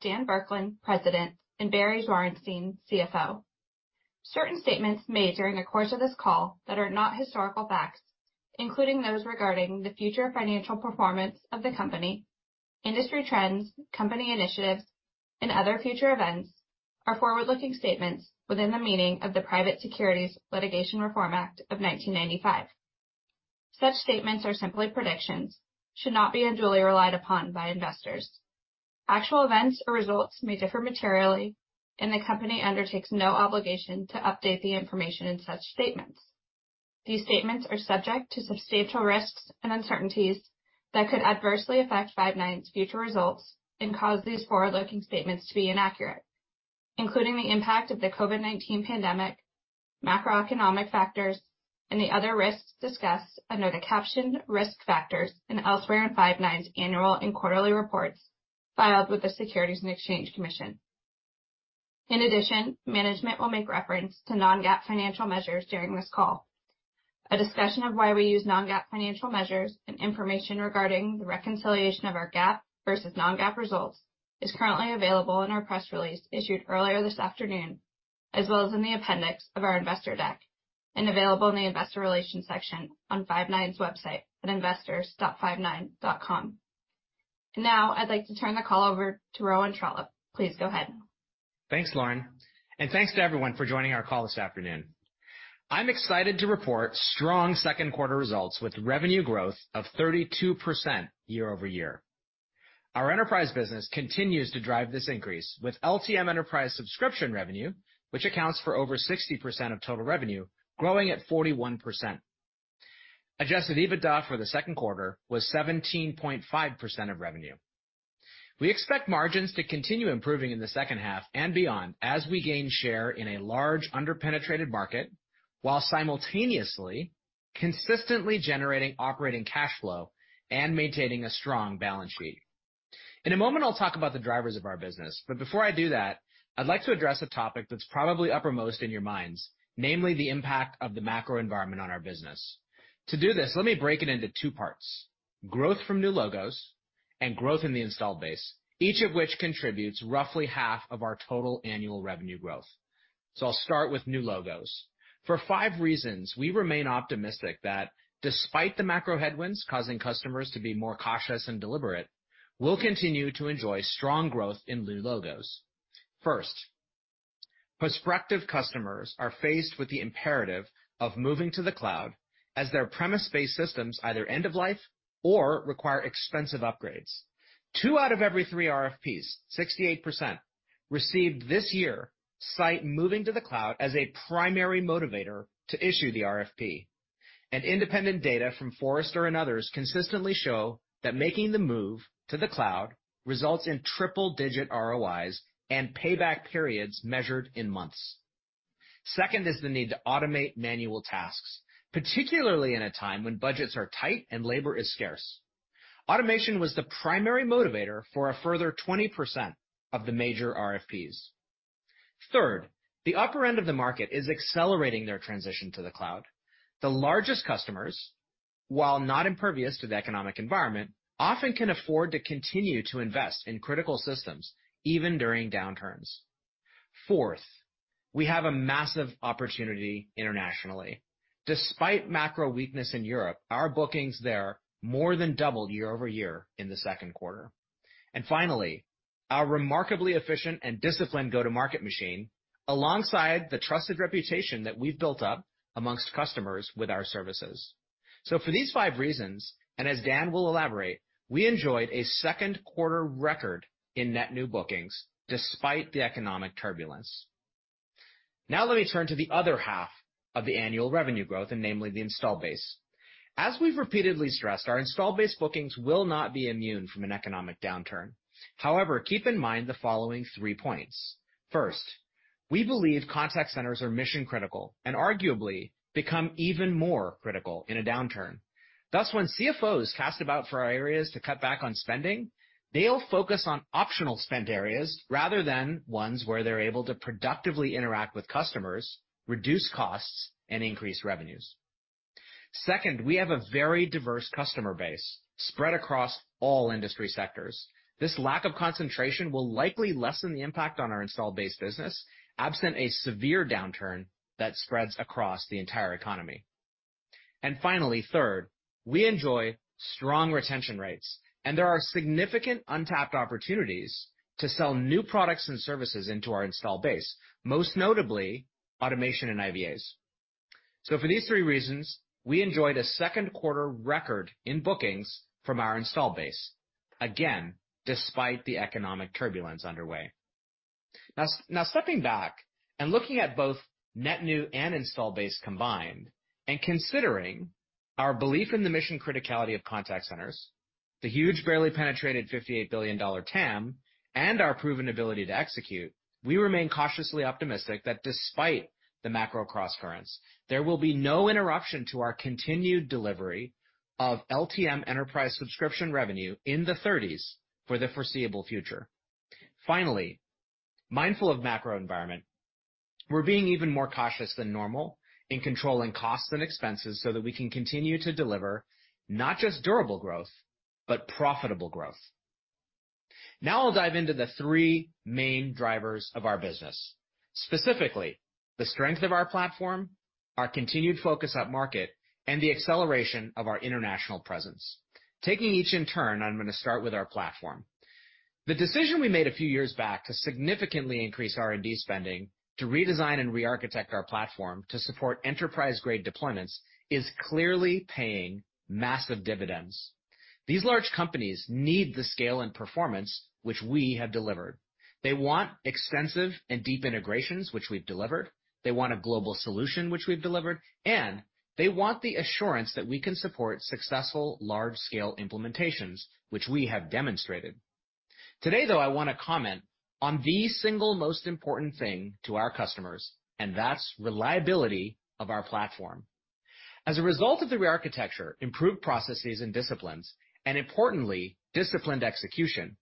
Dan Burkland, President, and Barry Zwarenstein, CFO. Certain statements made during the course of this call that are not historical facts, including those regarding the future financial performance of the company, industry trends, company initiatives, and other future events, are forward-looking statements within the meaning of the Private Securities Litigation Reform Act of 1995. Such statements are simply predictions and should not be unduly relied upon by investors. Actual events or results may differ materially, and the company undertakes no obligation to update the information in such statements. These statements are subject to substantial risks and uncertainties that could adversely affect Five9's future results and cause these forward-looking statements to be inaccurate, including the impact of the COVID-19 pandemic, macroeconomic factors, and the other risks discussed under the captioned risk factors and elsewhere in Five9's annual and quarterly reports filed with the Securities and Exchange Commission. In addition, management will make reference to non-GAAP financial measures during this call. A discussion of why we use non-GAAP financial measures and information regarding the reconciliation of our GAAP versus non-GAAP results is currently available in our press release issued earlier this afternoon, as well as in the appendix of our investor deck and available in the investor relations section on Five9's website at investors.five9.com. Now I'd like to turn the call over to Rowan Trollope. Please go ahead. Thanks, Lauren, and thanks to everyone for joining our call this afternoon. I'm excited to report strong second quarter results with revenue growth of 32% year-over-year. Our enterprise business continues to drive this increase with LTM enterprise subscription revenue, which accounts for over 60% of total revenue growing at 41%. Adjusted EBITDA for the second quarter was 17.5% of revenue. We expect margins to continue improving in the second half and beyond as we gain share in a large under-penetrated market while simultaneously, consistently generating operating cash flow and maintaining a strong balance sheet. In a moment, I'll talk about the drivers of our business, but before I do that, I'd like to address a topic that's probably uppermost in your minds, namely the impact of the macro environment on our business. To do this, let me break it into two parts, growth from new logos and growth in the installed base, each of which contributes roughly half of our total annual revenue growth. I'll start with new logos. For five reasons, we remain optimistic that despite the macro headwinds causing customers to be more cautious and deliberate, we'll continue to enjoy strong growth in new logos. First, prospective customers are faced with the imperative of moving to the cloud as their premise-based systems either end of life or require expensive upgrades. Two out of every three RFPs, 68%, received this year cite moving to the cloud as a primary motivator to issue the RFP. Independent data from Forrester and others consistently show that making the move to the cloud results in triple-digit ROIs and payback periods measured in months. Second is the need to automate manual tasks, particularly in a time when budgets are tight and labor is scarce. Automation was the primary motivator for a further 20% of the major RFPs. Third, the upper end of the market is accelerating their transition to the cloud. The largest customers, while not impervious to the economic environment, often can afford to continue to invest in critical systems even during downturns. Fourth, we have a massive opportunity internationally. Despite macro weakness in Europe, our bookings there more than doubled year-over-year in the second quarter. Finally, our remarkably efficient and disciplined go-to-market machine, alongside the trusted reputation that we've built up amongst customers with our services. For these five reasons, and as Dan will elaborate, we enjoyed a second quarter record in net new bookings despite the economic turbulence. Now let me turn to the other half of the annual revenue growth, and namely the installed base. As we've repeatedly stressed, our installed base bookings will not be immune from an economic downturn. However, keep in mind the following three points. First, we believe contact centers are mission-critical and arguably become even more critical in a downturn. Thus, when CFOs cast about for areas to cut back on spending, they'll focus on optional spend areas rather than ones where they're able to productively interact with customers, reduce costs, and increase revenues. Second, we have a very diverse customer base spread across all industry sectors. This lack of concentration will likely lessen the impact on our installed base business, absent a severe downturn that spreads across the entire economy. Finally, third, we enjoy strong retention rates, and there are significant untapped opportunities to sell new products and services into our install base, most notably automation and IVAs. For these three reasons, we enjoyed a second quarter record in bookings from our install base, again, despite the economic turbulence underway. Now, stepping back and looking at both net new and install base combined and considering our belief in the mission criticality of contact centers, the huge barely penetrated $58 billion TAM, and our proven ability to execute, we remain cautiously optimistic that despite the macro crosscurrents, there will be no interruption to our continued delivery of LTM enterprise subscription revenue in the thirties for the foreseeable future. Finally, mindful of macro environment. We're being even more cautious than normal in controlling costs and expenses so that we can continue to deliver not just durable growth, but profitable growth. Now I'll dive into the three main drivers of our business, specifically the strength of our platform, our continued focus up market, and the acceleration of our international presence. Taking each in turn, I'm gonna start with our platform. The decision we made a few years back to significantly increase R&D spending to redesign and re-architect our platform to support enterprise-grade deployments is clearly paying massive dividends. These large companies need the scale and performance which we have delivered. They want extensive and deep integrations, which we've delivered. They want a global solution, which we've delivered, and they want the assurance that we can support successful large-scale implementations, which we have demonstrated. Today, though, I wanna comment on the single most important thing to our customers, and that's reliability of our platform. As a result of the re-architecture, improved processes and disciplines, and importantly, disciplined execution,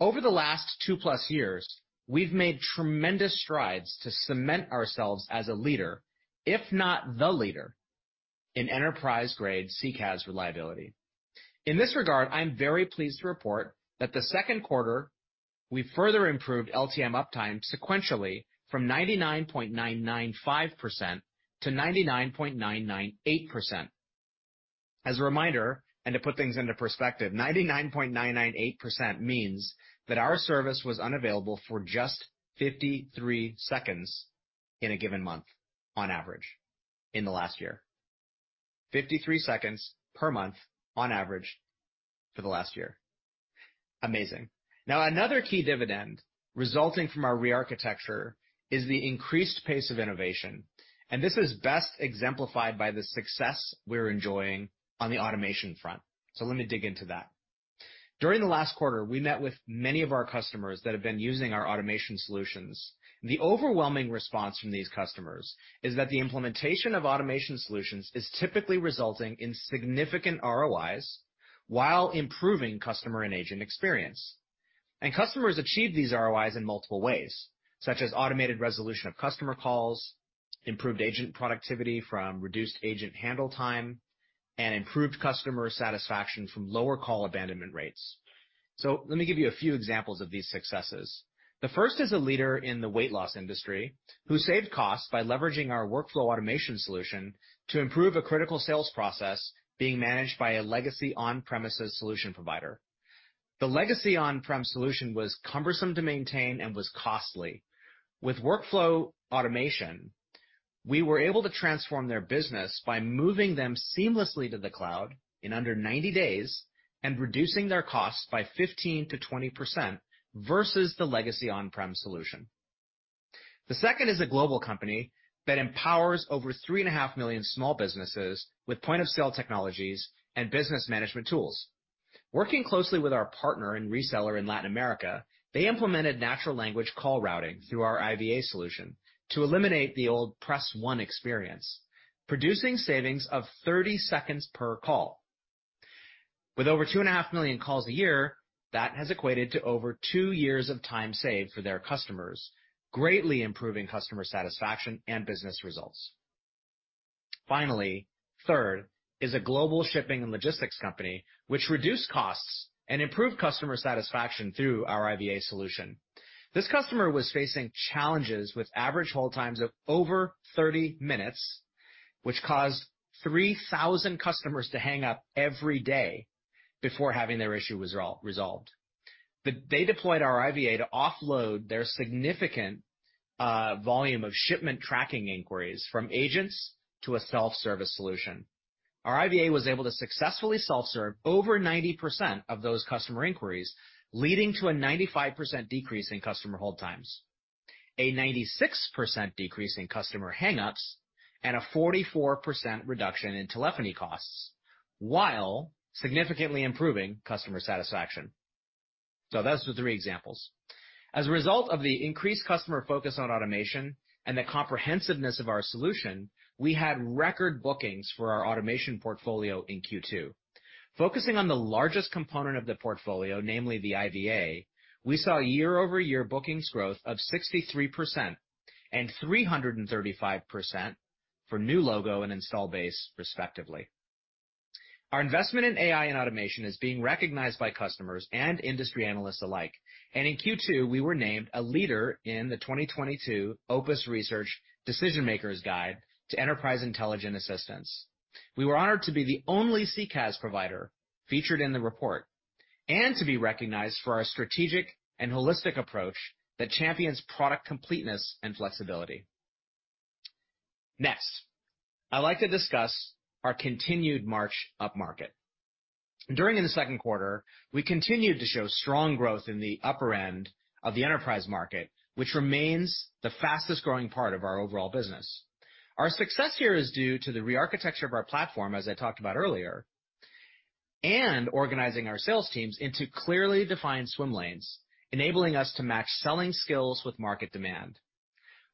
over the last two plus years, we've made tremendous strides to cement ourselves as a leader, if not the leader, in enterprise-grade CCaaS reliability. In this regard, I'm very pleased to report that the second quarter, we further improved LTM uptime sequentially from 99.995% to 99.998%. As a reminder, and to put things into perspective, 99.998% means that our service was unavailable for just 53 seconds in a given month on average in the last year. 53 seconds per month on average for the last year. Amazing. Now, another key dividend resulting from our re-architecture is the increased pace of innovation, and this is best exemplified by the success we're enjoying on the automation front. Let me dig into that. During the last quarter, we met with many of our customers that have been using our automation solutions. The overwhelming response from these customers is that the implementation of automation solutions is typically resulting in significant ROIs while improving customer and agent experience. Customers achieve these ROIs in multiple ways, such as automated resolution of customer calls, improved agent productivity from reduced agent handle time, and improved customer satisfaction from lower call abandonment rates. Let me give you a few examples of these successes. The first is a leader in the weight loss industry who saved costs by leveraging our workflow automation solution to improve a critical sales process being managed by a legacy on-premises solution provider. The legacy on-prem solution was cumbersome to maintain and was costly. With workflow automation, we were able to transform their business by moving them seamlessly to the cloud in under 90 days and reducing their costs by 15%-20% versus the legacy on-prem solution. The second is a global company that empowers over 3.5 million small businesses with point-of-sale technologies and business management tools. Working closely with our partner and reseller in Latin America, they implemented natural language call routing through our IVA solution to eliminate the old press one experience, producing savings of 30 seconds per call. With over 2.5 million calls a year, that has equated to over two years of time saved for their customers, greatly improving customer satisfaction and business results. Finally, third is a global shipping and logistics company which reduced costs and improved customer satisfaction through our IVA solution. This customer was facing challenges with average hold times of over 30 minutes, which caused 3,000 customers to hang up every day before having their issue was resolved. They deployed our IVA to offload their significant volume of shipment tracking inquiries from agents to a self-service solution. Our IVA was able to successfully self-serve over 90% of those customer inquiries, leading to a 95% decrease in customer hold times, a 96% decrease in customer hangups, and a 44% reduction in telephony costs while significantly improving customer satisfaction. Those were three examples. As a result of the increased customer focus on automation and the comprehensiveness of our solution, we had record bookings for our automation portfolio in Q2. Focusing on the largest component of the portfolio, namely the IVA, we saw year-over-year bookings growth of 63% and 335% for new logo and install base respectively. Our investment in AI and automation is being recognized by customers and industry analysts alike. In Q2, we were named a leader in the 2022 Opus Research Decision Makers Guide to Enterprise Intelligent Assistants. We were honored to be the only CCaaS provider featured in the report and to be recognized for our strategic and holistic approach that champions product completeness and flexibility. Next, I'd like to discuss our continued march up market. During the second quarter, we continued to show strong growth in the upper end of the enterprise market, which remains the fastest-growing part of our overall business. Our success here is due to the re-architecture of our platform, as I talked about earlier, and organizing our sales teams into clearly defined swim lanes, enabling us to match selling skills with market demand.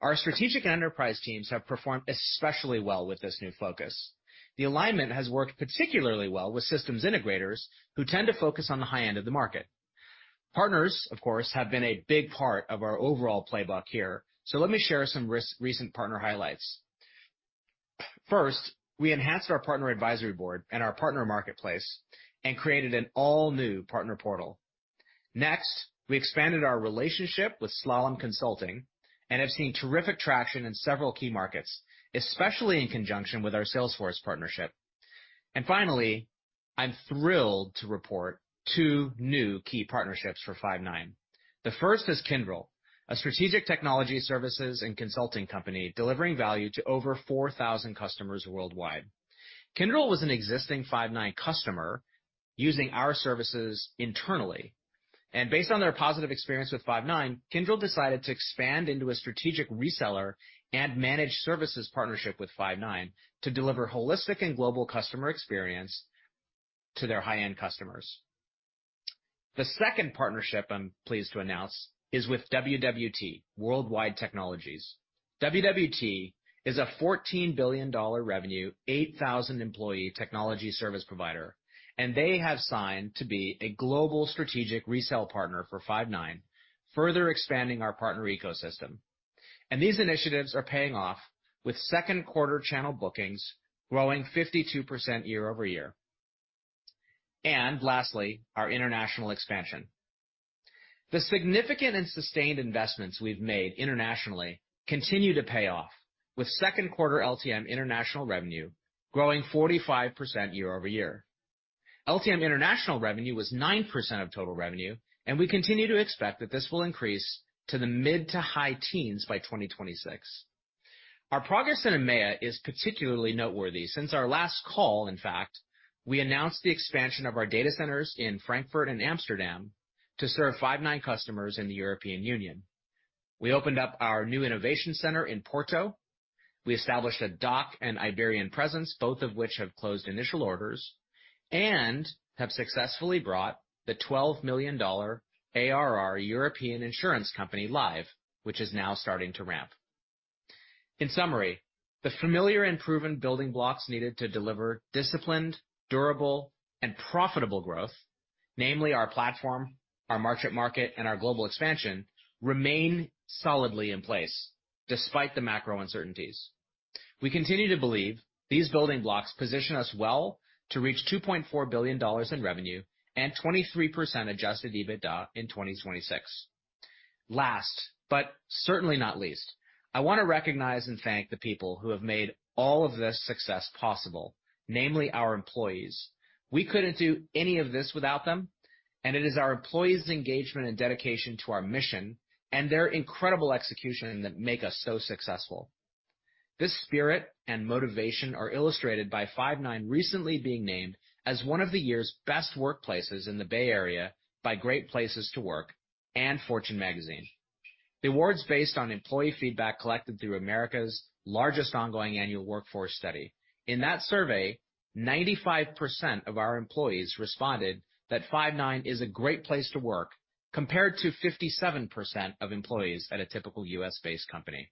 Our strategic enterprise teams have performed especially well with this new focus. The alignment has worked particularly well with systems integrators who tend to focus on the high end of the market. Partners, of course, have been a big part of our overall playbook here. Let me share some recent partner highlights. First, we enhanced our partner advisory board and our partner marketplace and created an all-new partner portal. Next, we expanded our relationship with Slalom Consulting and have seen terrific traction in several key markets, especially in conjunction with our Salesforce partnership. Finally, I'm thrilled to report two new key partnerships for Five9. The first is Kyndryl, a strategic technology services and consulting company delivering value to over 4,000 customers worldwide. Kyndryl was an existing Five9 customer using our services internally, and based on their positive experience with Five9, Kyndryl decided to expand into a strategic reseller and managed services partnership with Five9 to deliver holistic and global customer experience to their high-end customers. The second partnership I'm pleased to announce is with WWT, World Wide Technology. WWT is a $14 billion revenue, 8,000-employee technology service provider, and they have signed to be a global strategic reseller partner for Five9, further expanding our partner ecosystem. These initiatives are paying off with second quarter channel bookings growing 52% year-over-year. Lastly, our international expansion. The significant and sustained investments we've made internationally continue to pay off, with second quarter LTM international revenue growing 45% year-over-year. LTM international revenue was 9% of total revenue, and we continue to expect that this will increase to the mid- to high teens by 2026. Our progress in EMEA is particularly noteworthy. Since our last call, in fact, we announced the expansion of our data centers in Frankfurt and Amsterdam to serve Five9 customers in the European Union. We opened up our new innovation center in Porto. We established a DACH and Iberian presence, both of which have closed initial orders and have successfully brought the $12 million ARR European Insurance Company live, which is now starting to ramp. In summary, the familiar and proven building blocks needed to deliver disciplined, durable and profitable growth, namely our platform, our market and our global expansion, remain solidly in place despite the macro uncertainties. We continue to believe these building blocks position us well to reach $2.4 billion in revenue and 23% Adjusted EBITDA in 2026. Last, but certainly not least, I wanna recognize and thank the people who have made all of this success possible, namely our employees. We couldn't do any of this without them. It is our employees' engagement and dedication to our mission and their incredible execution that make us so successful. This spirit and motivation are illustrated by Five9 recently being named as one of the year's best workplaces in the Bay Area by Great Place to Work and Fortune Magazine. The award's based on employee feedback collected through America's largest ongoing annual workforce study. In that survey, 95% of our employees responded that Five9 is a great place to work, compared to 57% of employees at a typical US-based company.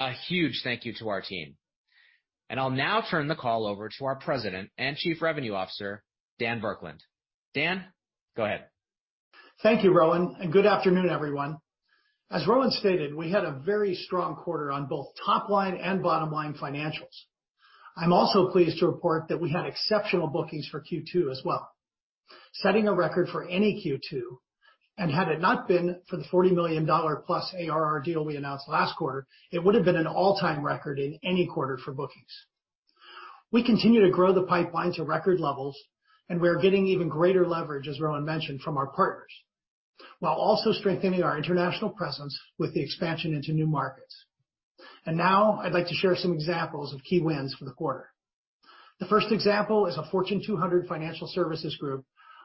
A huge thank you to our team. I'll now turn the call over to our President and Chief Revenue Officer, Dan Burkland. Dan, go ahead. Thank you, Rowan, and good afternoon, everyone. As Rowan stated, we had a very strong quarter on both top line and bottom line financials. I'm also pleased to report that we had exceptional bookings for Q2 as well, setting a record for any Q2. Had it not been for the $40 million-plus ARR deal we announced last quarter, it would have been an all-time record in any quarter for bookings. We continue to grow the pipeline to record levels, and we are getting even greater leverage, as Rowan mentioned, from our partners, while also strengthening our international presence with the expansion into new markets. Now I'd like to share some examples of key wins for the quarter. The first example is a Fortune 200 financial services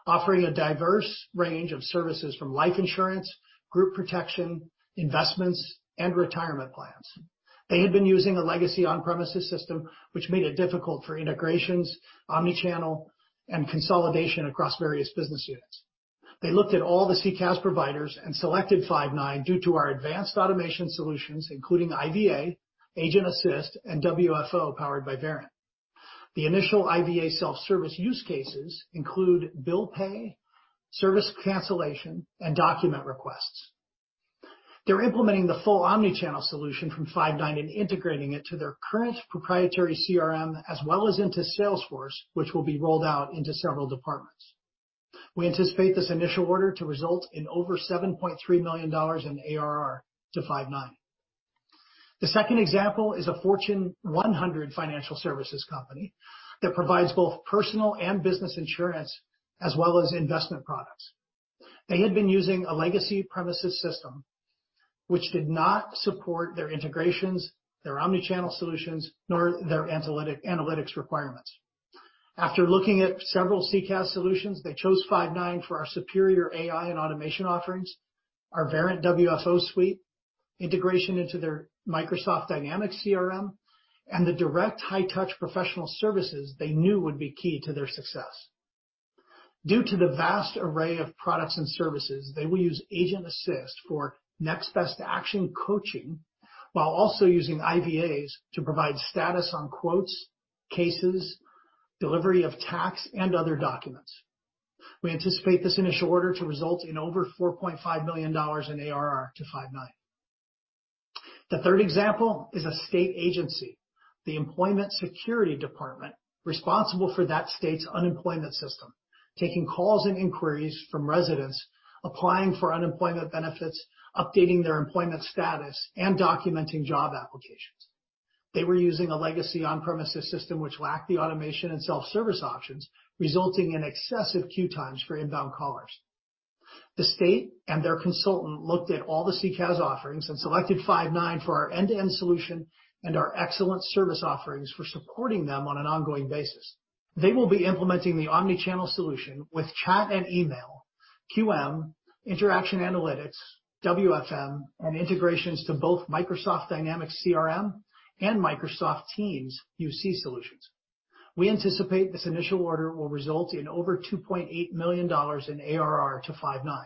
group offering a diverse range of services from life insurance, group protection, investments, and retirement plans. They had been using a legacy on-premises system, which made it difficult for integrations, omni-channel, and consolidation across various business units. They looked at all the CCaaS providers and selected Five9 due to our advanced automation solutions, including IVA, Agent Assist, and WFO, powered by Verint. The initial IVA self-service use cases include bill pay, service cancellation, and document requests. They're implementing the full omni-channel solution from Five9 and integrating it to their current proprietary CRM as well as into Salesforce, which will be rolled out into several departments. We anticipate this initial order to result in over $7.3 million in ARR to Five9. The second example is a Fortune 100 financial services company that provides both personal and business insurance as well as investment products. They had been using a legacy premises system which did not support their integrations, their omni-channel solutions, nor their analytics requirements. After looking at several CCaaS solutions, they chose Five9 for our superior AI and automation offerings, our Verint WFO suite, integration into their Microsoft Dynamics CRM, and the direct high-touch professional services they knew would be key to their success. Due to the vast array of products and services, they will use Agent Assist for next best action coaching while also using IVAs to provide status on quotes, cases, delivery of tax and other documents. We anticipate this initial order to result in over $4.5 million in ARR to Five9. The third example is a state agency, the Employment Security Department, responsible for that state's unemployment system, taking calls and inquiries from residents applying for unemployment benefits, updating their employment status, and documenting job applications. They were using a legacy on-premises system which lacked the automation and self-service options, resulting in excessive queue times for inbound callers. The state and their consultant looked at all the CCaaS offerings and selected Five9 for our end-to-end solution and our excellent service offerings for supporting them on an ongoing basis. They will be implementing the omni-channel solution with chat and email, QM, interaction analytics, WFM, and integrations to both Microsoft Dynamics CRM and Microsoft Teams UC solutions. We anticipate this initial order will result in over $2.8 million in ARR to Five9,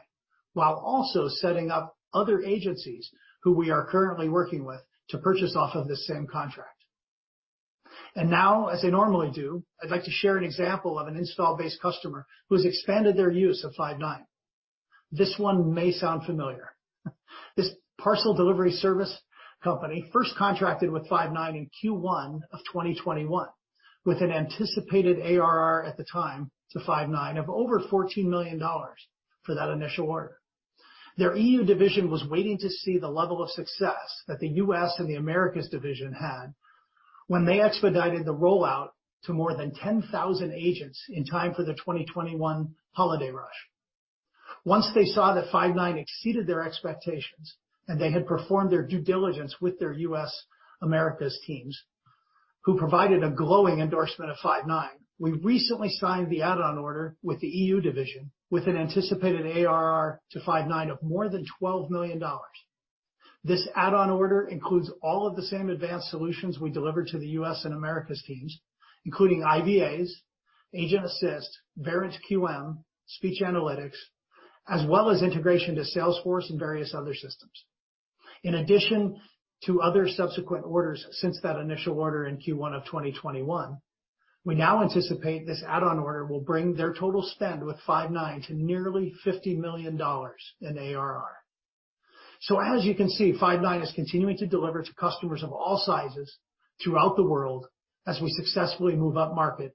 while also setting up other agencies who we are currently working with to purchase off of the same contract. Now, as I normally do, I'd like to share an example of an install-based customer who's expanded their use of Five9. This one may sound familiar. This parcel delivery service company first contracted with Five9 in Q1 of 2021, with an anticipated ARR at the time to Five9 of over $14 million for that initial order. Their EU division was waiting to see the level of success that the US and the Americas division had when they expedited the rollout to more than 10,000 agents in time for the 2021 holiday rush. Once they saw that Five9 exceeded their expectations, and they had performed their due diligence with their US Americas teams, who provided a glowing endorsement of Five9, we recently signed the add-on order with the EU division with an anticipated ARR to Five9 of more than $12 million. This add-on order includes all of the same advanced solutions we delivered to the US and Americas teams, including IVAs, Agent Assist, Verint QM, speech analytics, as well as integration to Salesforce and various other systems. In addition to other subsequent orders since that initial order in Q1 of 2021, we now anticipate this add-on order will bring their total spend with Five9 to nearly $50 million in ARR. As you can see, Five9 is continuing to deliver to customers of all sizes throughout the world as we successfully move up market,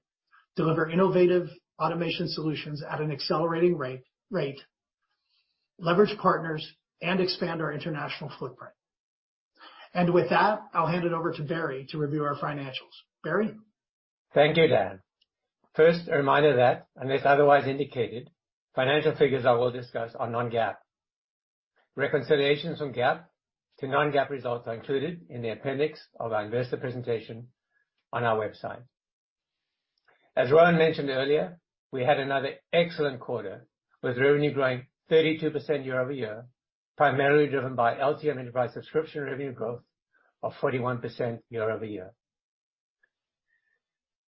deliver innovative automation solutions at an accelerating rate, leverage partners, and expand our international footprint. With that, I'll hand it over to Barry to review our financials. Barry? Thank you, Dan. First, a reminder that unless otherwise indicated, financial figures I will discuss are non-GAAP. Reconciliations from GAAP to non-GAAP results are included in the appendix of our investor presentation on our website. As Rowan mentioned earlier, we had another excellent quarter, with revenue growing 32% year-over-year, primarily driven by LTM enterprise subscription revenue growth of 41% year-over-year.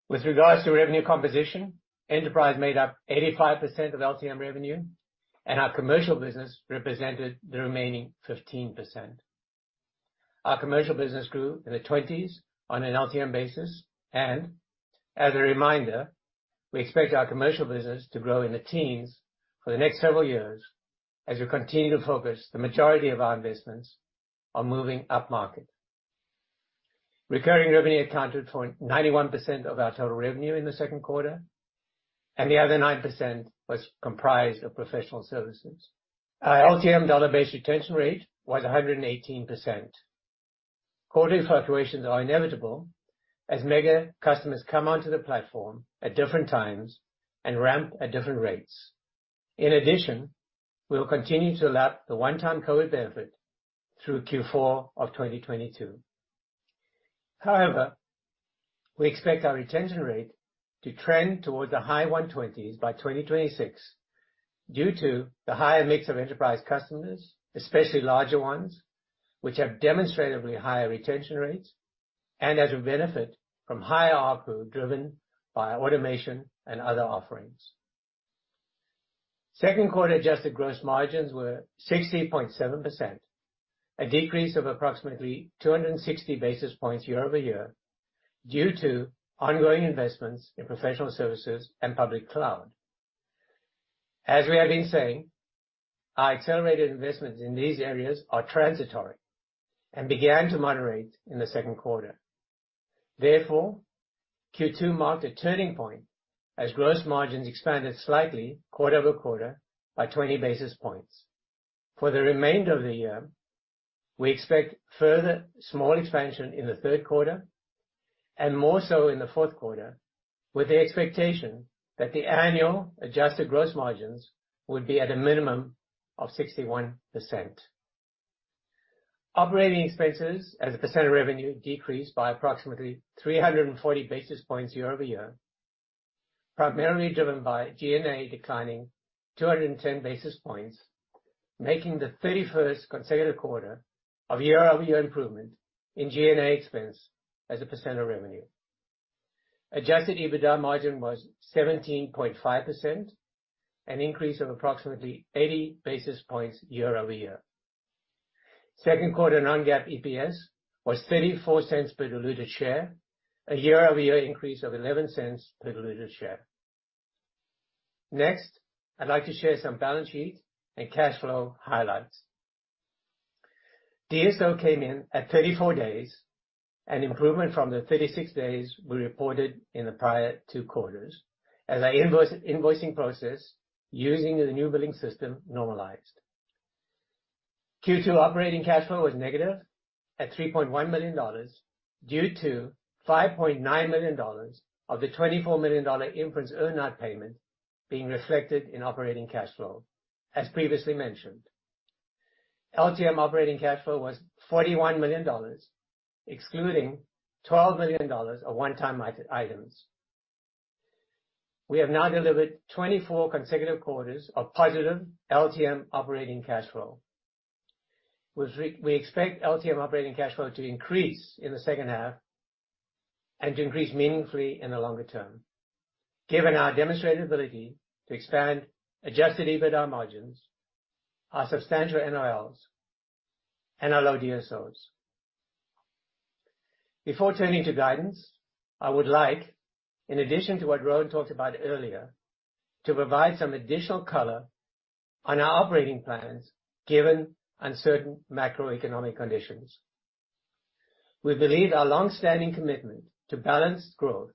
With regards to revenue composition, enterprise made up 85% of LTM revenue, and our commercial business represented the remaining 15%. Our commercial business grew in the 20s on an LTM basis, and as a reminder, we expect our commercial business to grow in the teens for the next several years as we continue to focus the majority of our investments on moving up market. Recurring revenue accounted for 91% of our total revenue in the second quarter, and the other 9% was comprised of professional services. Our LTM dollar-based retention rate was 118%. Quarterly fluctuations are inevitable as mega customers come onto the platform at different times and ramp at different rates. In addition, we will continue to lap the one-time COVID benefit through Q4 of 2022. However, we expect our retention rate to trend towards the high 120s by 2026 due to the higher mix of enterprise customers, especially larger ones, which have demonstratively higher retention rates and as a benefit from higher ARPU, driven by automation and other offerings. Second quarter adjusted gross margins were 60.7%, a decrease of approximately 260 basis points year-over-year due to ongoing investments in professional services and public cloud. As we have been saying, our accelerated investments in these areas are transitory and began to moderate in the second quarter. Therefore, Q2 marked a turning point as gross margins expanded slightly quarter-over-quarter by 20 basis points. For the remainder of the year, we expect further small expansion in the third quarter and more so in the fourth quarter, with the expectation that the annual adjusted gross margins would be at a minimum of 61%. Operating expenses as a percent of revenue decreased by approximately 340 basis points year-over-year, primarily driven by G&A declining 210 basis points, making the 31st consecutive quarter of year-over-year improvement in G&A expense as a percent of revenue. Adjusted EBITDA margin was 17.5%, an increase of approximately 80 basis points year-over-year. Second quarter non-GAAP EPS was $0.34 per diluted share, a year-over-year increase of $0.11 per diluted share. Next, I'd like to share some balance sheet and cash flow highlights. DSO came in at 34 days, an improvement from the 36 days we reported in the prior two quarters as our invoicing process using the new billing system normalized. Q2 operating cash flow was negative at $3.1 million due to $5.9 million of the $24 million Inference earn-out payment being reflected in operating cash flow, as previously mentioned. LTM operating cash flow was $41 million, excluding $12 million of one-time items. We have now delivered 24 consecutive quarters of positive LTM operating cash flow. We expect LTM operating cash flow to increase in the second half and to increase meaningfully in the longer term, given our demonstrated ability to expand Adjusted EBITDA margins, our substantial NOLs and our low DSOs. Before turning to guidance, I would like, in addition to what Rowan talked about earlier, to provide some additional color on our operating plans given uncertain macroeconomic conditions. We believe our long-standing commitment to balanced growth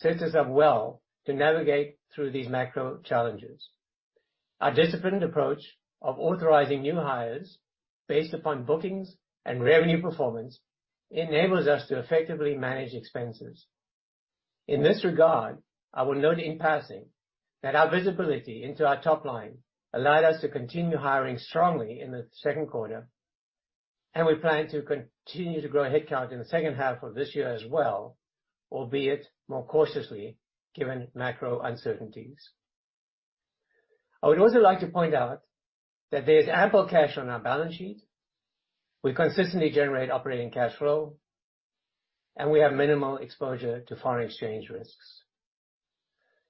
sets us up well to navigate through these macro challenges. Our disciplined approach of authorizing new hires based upon bookings and revenue performance enables us to effectively manage expenses. In this regard, I will note in passing that our visibility into our top line allowed us to continue hiring strongly in the second quarter, and we plan to continue to grow headcount in the second half of this year as well, albeit more cautiously given macro uncertainties. I would also like to point out that there's ample cash on our balance sheet. We consistently generate operating cash flow, and we have minimal exposure to foreign exchange risks.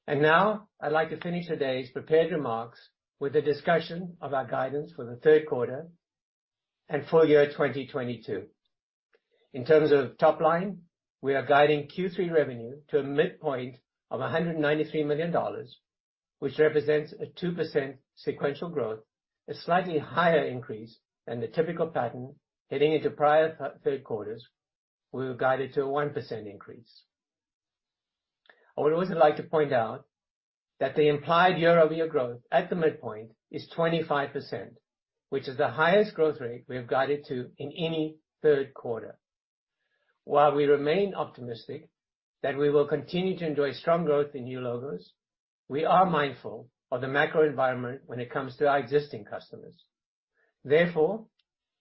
Now I'd like to finish today's prepared remarks with a discussion of our guidance for the third quarter and full year 2022. In terms of top line, we are guiding Q3 revenue to a midpoint of $193 million, which represents a 2% sequential growth, a slightly higher increase than the typical pattern heading into prior third quarters. We've guided to a 1% increase. I would also like to point out that the implied year-over-year growth at the midpoint is 25%, which is the highest growth rate we have guided to in any third quarter. While we remain optimistic that we will continue to enjoy strong growth in new logos, we are mindful of the macro environment when it comes to our existing customers. Therefore,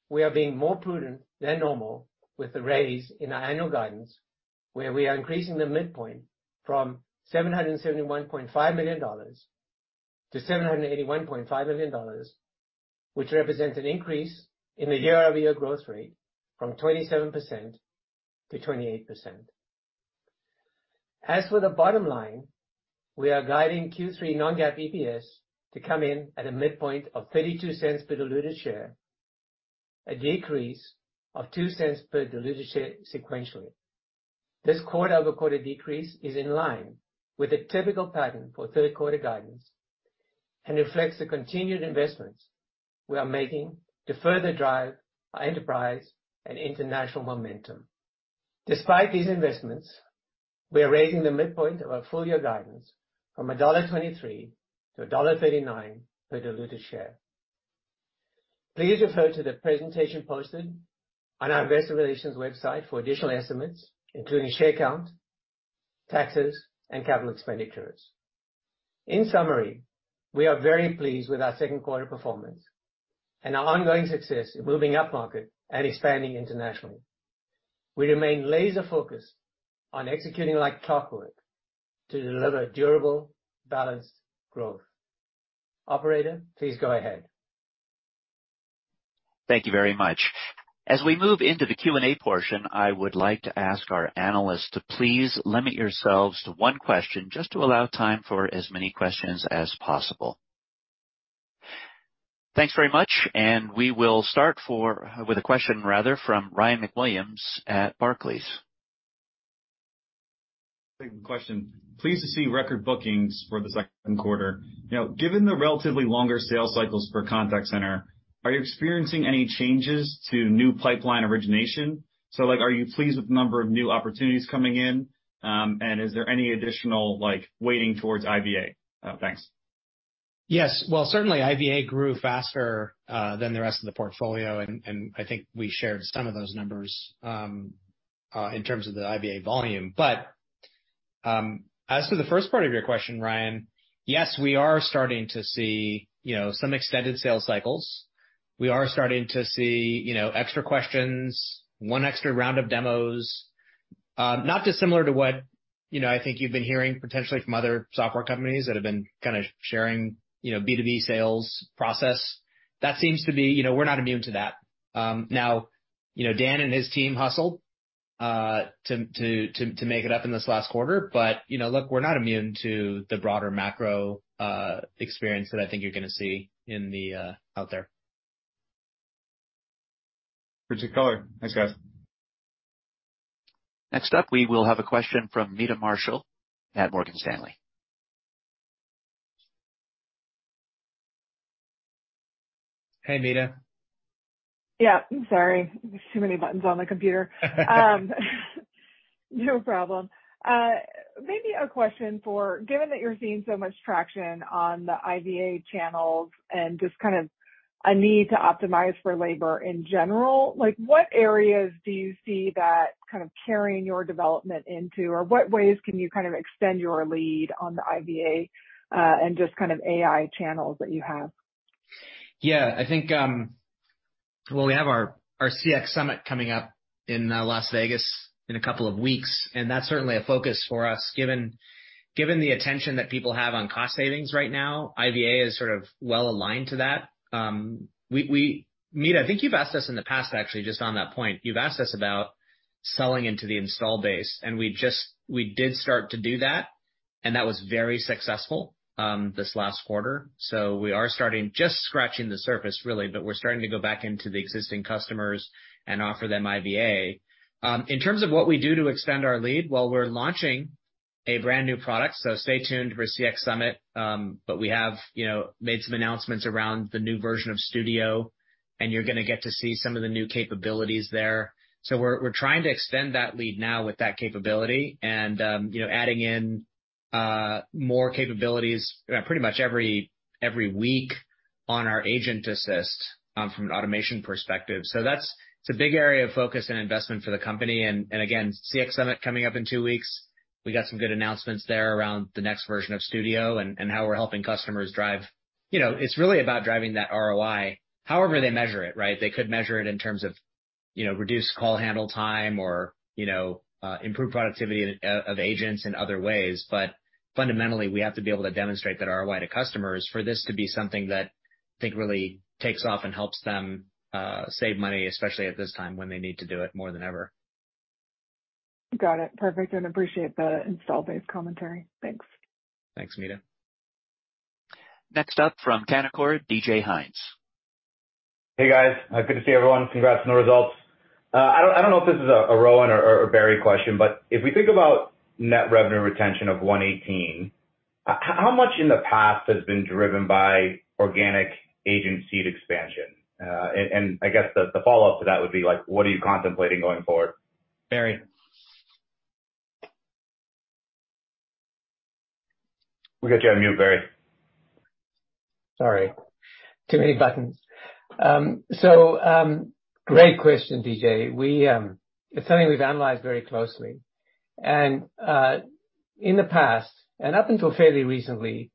we are being more prudent than normal with the raise in our annual guidance, where we are increasing the midpoint from $771.5 million to $781.5 million, which represents an increase in the year-over-year growth rate from 27% to 28%. As for the bottom line, we are guiding Q3 non-GAAP EPS to come in at a midpoint of $0.32 per diluted share, a decrease of $0.02 per diluted share sequentially. This quarter-over-quarter decrease is in line with a typical pattern for third quarter guidance and reflects the continued investments we are making to further drive our enterprise and international momentum. Despite these investments, we are raising the midpoint of our full year guidance from $1.23 to $1.39 per diluted share. Please refer to the presentation posted on our investor relations website for additional estimates, including share count, taxes, and capital expenditures. In summary, we are very pleased with our second quarter performance and our ongoing success in moving upmarket and expanding internationally. We remain laser focused on executing like clockwork to deliver durable, balanced growth. Operator, please go ahead. Thank you very much. As we move into the Q&A portion, I would like to ask our analysts to please limit yourselves to one question, just to allow time for as many questions as possible. Thanks very much. We will start with a question from Raimo Lenschow at Barclays. Pleased to see record bookings for the second quarter. Now, given the relatively longer sales cycles for contact center, are you experiencing any changes to new pipeline origination? Like, are you pleased with the number of new opportunities coming in? Is there any additional like weighting towards IVA? Thanks. Yes. Well, certainly IVA grew faster than the rest of the portfolio and I think we shared some of those numbers in terms of the IVA volume. As for the first part of your question, Ryan, yes, we are starting to see, you know, some extended sales cycles. We are starting to see, you know, extra questions, one extra round of demos, not dissimilar to what, you know, I think you've been hearing potentially from other software companies that have been kinda sharing, you know, B2B sales process. That seems to be, you know, we're not immune to that. Now, you know, Dan and his team hustled to make it up in this last quarter. You know, look, we're not immune to the broader macro experience that I think you're gonna see in the out there. Rich color. Thanks, guys. Next up, we will have a question from Meta Marshall at Morgan Stanley. Hey, Meta. Yeah, I'm sorry. There's too many buttons on the computer. No problem. Given that you're seeing so much traction on the IVA channels and just kind of a need to optimize for labor in general, like, what areas do you see that kind of carrying your development into or what ways can you kind of extend your lead on the IVA, and just kind of AI channels that you have? Yeah, I think, well, we have our CX Summit coming up in Las Vegas in a couple of weeks, and that's certainly a focus for us. Given the attention that people have on cost savings right now, IVA is sort of well-aligned to that. Meta, I think you've asked us in the past, actually, just on that point, you've asked us about selling into the install base, and we did start to do that, and that was very successful this last quarter. We are starting, just scratching the surface really, but we're starting to go back into the existing customers and offer them IVA. In terms of what we do to extend our lead, well, we're launching a brand-new product, so stay tuned for CX Summit. We have, you know, made some announcements around the new version of Studio, and you're gonna get to see some of the new capabilities there. We're trying to extend that lead now with that capability and, you know, adding in more capabilities pretty much every week on our Agent Assist from an automation perspective. That's a big area of focus and investment for the company. CX Summit coming up in two weeks. We got some good announcements there around the next version of Studio and how we're helping customers drive. You know, it's really about driving that ROI however they measure it, right? They could measure it in terms of, you know, reduced call handle time or, you know, improved productivity of agents in other ways. Fundamentally, we have to be able to demonstrate that ROI to customers for this to be something that I think really takes off and helps them save money, especially at this time when they need to do it more than ever. Got it. Perfect, appreciate the install base commentary. Thanks. Thanks, Meta. Next up from Canaccord, David Hynes Jr. Hey, guys. Good to see everyone. Congrats on the results. I don't know if this is a Rowan or a Barry question, but if we think about net revenue retention of 118%, how much in the past has been driven by organic agent seat expansion? I guess the follow-up to that would be, like, what are you contemplating going forward? Barry? We got you on mute, Barry. Sorry. Too many buttons. Great question, DJ. It's something we've analyzed very closely. In the past, and up until fairly recently,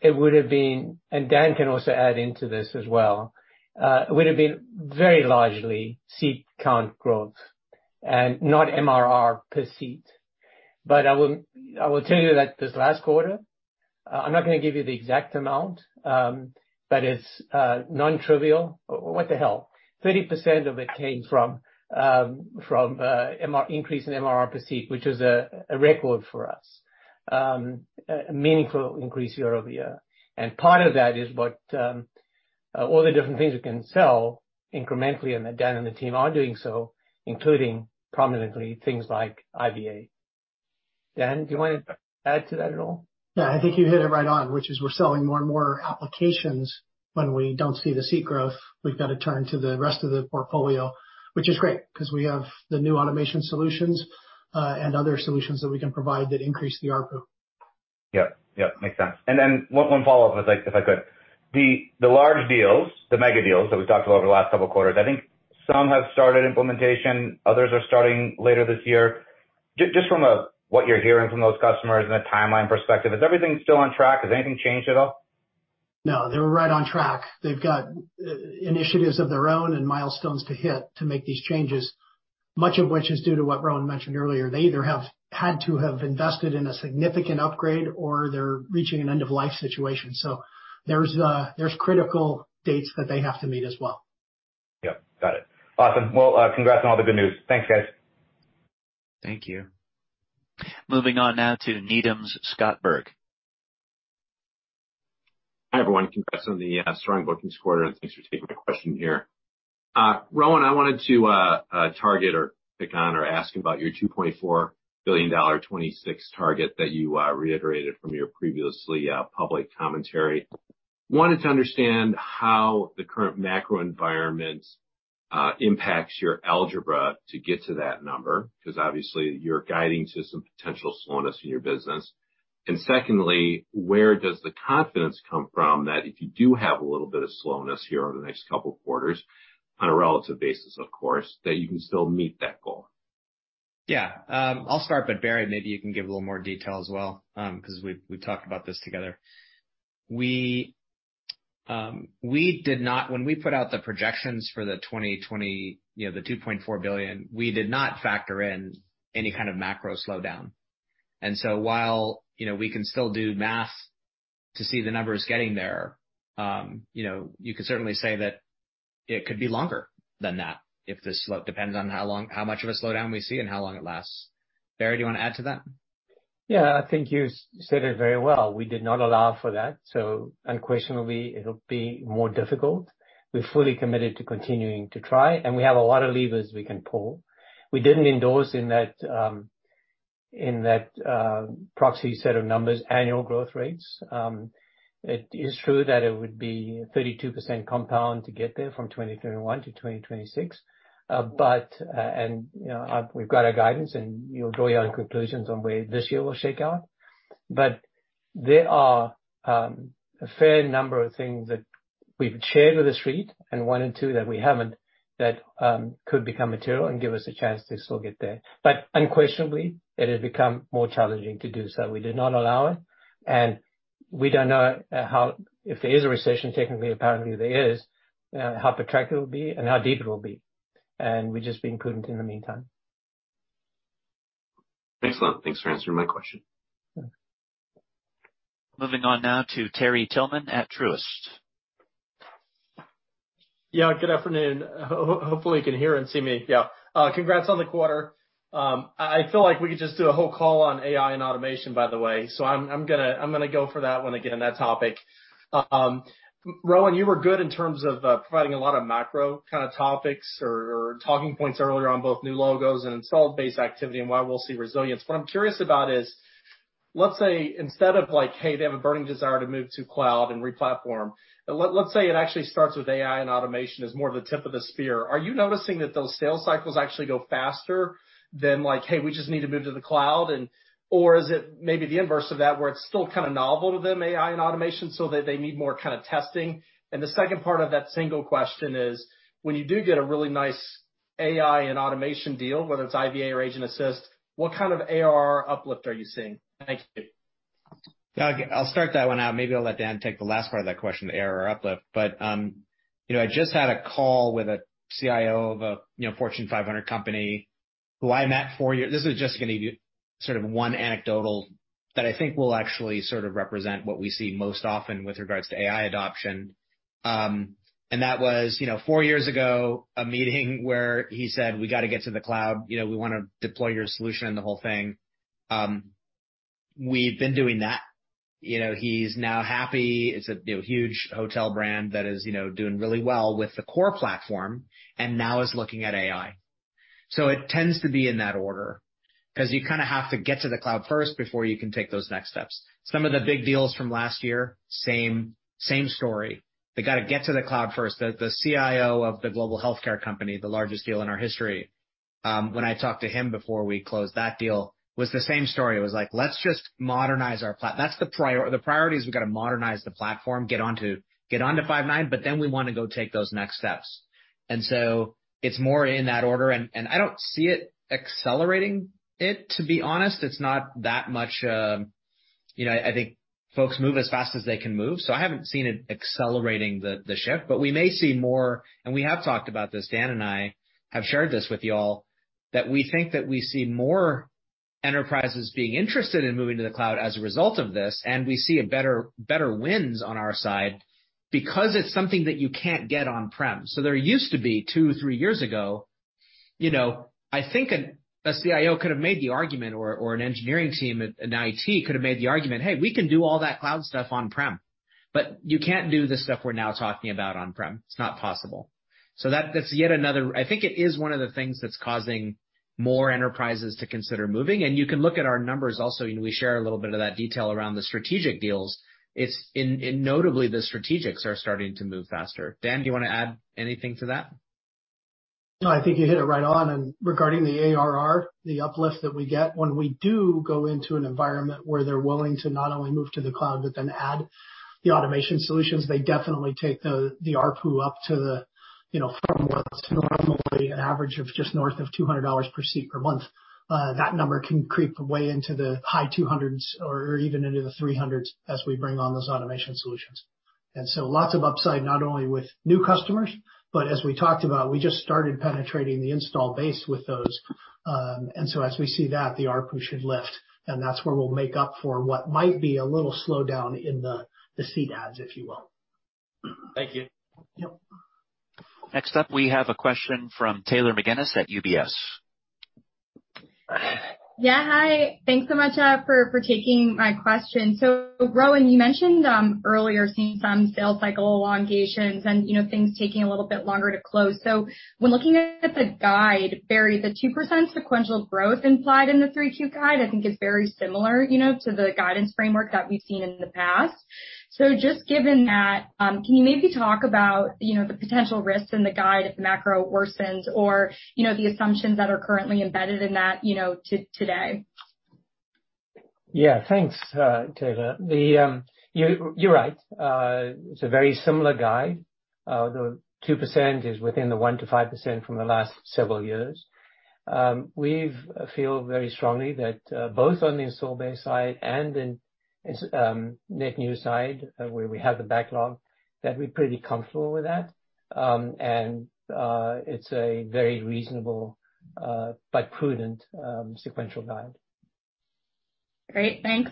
it would have been, and Dan can also add into this as well, it would have been very largely seat count growth and not MRR per seat. I will tell you that this last quarter, I'm not gonna give you the exact amount, but it's non-trivial. What the hell? 30% of it came from increase in MRR per seat, which is a record for us. A meaningful increase year over year. Part of that is what all the different things we can sell incrementally, and that Dan and the team are doing so, including prominently things like IVA. Dan, do you wanna add to that at all? Yeah. I think you hit it right on, which is we're selling more and more applications. When we don't see the seat growth, we've got to turn to the rest of the portfolio, which is great 'cause we have the new automation solutions, and other solutions that we can provide that increase the ARPU. Yep. Yep, makes sense. Then one follow-up if I could. The large deals, the mega deals that we've talked about over the last couple of quarters, I think some have started implementation, others are starting later this year. Just from what you're hearing from those customers in a timeline perspective, is everything still on track? Has anything changed at all? No, they're right on track. They've got initiatives of their own and milestones to hit to make these changes, much of which is due to what Rowan mentioned earlier. They either have had to have invested in a significant upgrade or they're reaching an end-of-life situation. There's critical dates that they have to meet as well. Yep, got it. Awesome. Well, congrats on all the good news. Thanks, guys. Thank you. Moving on now to Needham's Scott Berg. Hi, everyone. Congrats on the strong bookings quarter, and thanks for taking my question here. Rowan, I wanted to target or pick on or ask about your $2.4 billion 2026 target that you reiterated from your previously public commentary. Wanted to understand how the current macro environment impacts your algebra to get to that number 'cause obviously you're guiding to some potential slowness in your business. Secondly, where does the confidence come from that if you do have a little bit of slowness here over the next couple of quarters, on a relative basis of course, that you can still meet that goal? Yeah. I'll start, but Barry, maybe you can give a little more detail as well, 'cause we talked about this together. We did not. When we put out the projections for 2020, you know, the $2.4 billion, we did not factor in any kind of macro slowdown. While, you know, we can still do math to see the numbers getting there, you know, you could certainly say that it could be longer than that if the slowdown depends on how long, how much of a slowdown we see and how long it lasts. Barry, do you want to add to that? Yeah, I think you said it very well. We did not allow for that, so unquestionably it'll be more difficult. We're fully committed to continuing to try, and we have a lot of levers we can pull. We didn't endorse in that proxy set of numbers annual growth rates. It is true that it would be 32% compound to get there from 2021 to 2026. We've got our guidance, and you'll draw your own conclusions on where this year will shake out. There are a fair number of things that we've shared with the street, and one or two that we haven't that could become material and give us a chance to still get there. Unquestionably, it has become more challenging to do so. We did not allow it, and we don't know how. If there is a recession, technically, apparently there is, how protracted it will be and how deep it will be, and we're just being prudent in the meantime. Excellent. Thanks for answering my question. Yeah. Moving on now to Terry Tillman at Truist. Yeah, good afternoon. Hopefully you can hear and see me. Yeah. Congrats on the quarter. I feel like we could just do a whole call on AI and automation, by the way. I'm gonna go for that one again, that topic. Rowan, you were good in terms of providing a lot of macro kinda topics or talking points earlier on both new logos and installed base activity and why we'll see resilience. What I'm curious about is, let's say instead of like, hey, they have a burning desire to move to cloud and re-platform, let's say it actually starts with AI and automation as more of the tip of the spear. Are you noticing that those sales cycles actually go faster than like, "Hey, we just need to move to the cloud and" Is it maybe the inverse of that, where it's still kinda novel to them, AI and automation, so they need more kinda testing? The second part of that single question is, when you do get a really nice AI and automation deal, whether it's IVA or Agent Assist, what kind of ARR uplift are you seeing? Thank you. Yeah. I'll start that one out. Maybe I'll let Dan take the last part of that question, the ARR uplift. You know, I just had a call with a CIO of a you know Fortune 500 company who I met four years ago. This is just gonna give you sort of one anecdote that I think will actually sort of represent what we see most often with regards to AI adoption. That was you know four years ago a meeting where he said, "We gotta get to the cloud you know we wanna deploy your solution," and the whole thing. We've been doing that. You know, he's now happy. It's a you know huge hotel brand that is you know doing really well with the core platform and now is looking at AI. It tends to be in that order 'cause you kinda have to get to the cloud first before you can take those next steps. Some of the big deals from last year, same story. They gotta get to the cloud first. The CIO of the global healthcare company, the largest deal in our history, when I talked to him before we closed that deal, was the same story. It was like, "Let's just modernize the platform. The priority is we gotta modernize the platform, get onto Five9, but then we wanna go take those next steps." It's more in that order, and I don't see it accelerating it, to be honest. It's not that much, you know, I think folks move as fast as they can move, so I haven't seen it accelerating the shift. We may see more, and we have talked about this, Dan and I have shared this with y'all, that we think that we see more enterprises being interested in moving to the cloud as a result of this, and we see a better wins on our side because it's something that you can't get on-prem. There used to be, two, three years ago, you know, I think a CIO could have made the argument or an engineering team in IT could have made the argument, "Hey, we can do all that cloud stuff on-prem." You can't do the stuff we're now talking about on-prem. It's not possible. That's yet another. I think it is one of the things that's causing more enterprises to consider moving. You can look at our numbers also, you know, we share a little bit of that detail around the strategic deals. It's in, and notably, the strategics are starting to move faster. Dan, do you wanna add anything to that? No, I think you hit it right on. Regarding the ARR, the uplift that we get when we do go into an environment where they're willing to not only move to the cloud but then add the automation solutions, they definitely take the ARPU up to the, you know, from what's normally an average of just north of $200 per seat per month. That number can creep way into the high 200s or even into the 300s as we bring on those automation solutions. Lots of upside, not only with new customers, but as we talked about, we just started penetrating the install base with those. As we see that, the ARPU should lift, and that's where we'll make up for what might be a little slowdown in the seat adds, if you will. Thank you. Yep. Next up, we have a question from Taylor McGinnis at UBS. Yeah, hi. Thanks so much for taking my question. Rowan, you mentioned earlier seeing some sales cycle elongations and, you know, things taking a little bit longer to close. When looking at the guide, Barry, the 2% sequential growth implied in the Q3 '22 guide, I think is very similar, you know, to the guidance framework that we've seen in the past. Just given that, can you maybe talk about, you know, the potential risks in the guide if the macro worsens or, you know, the assumptions that are currently embedded in that, you know, today? Yeah. Thanks, Taylor. You're right. It's a very similar guide. The 2% is within the 1%-5% from the last several years. We feel very strongly that both on the install base side and in net new side, where we have the backlog, that we're pretty comfortable with that. It's a very reasonable but prudent sequential guide. Great. Thanks.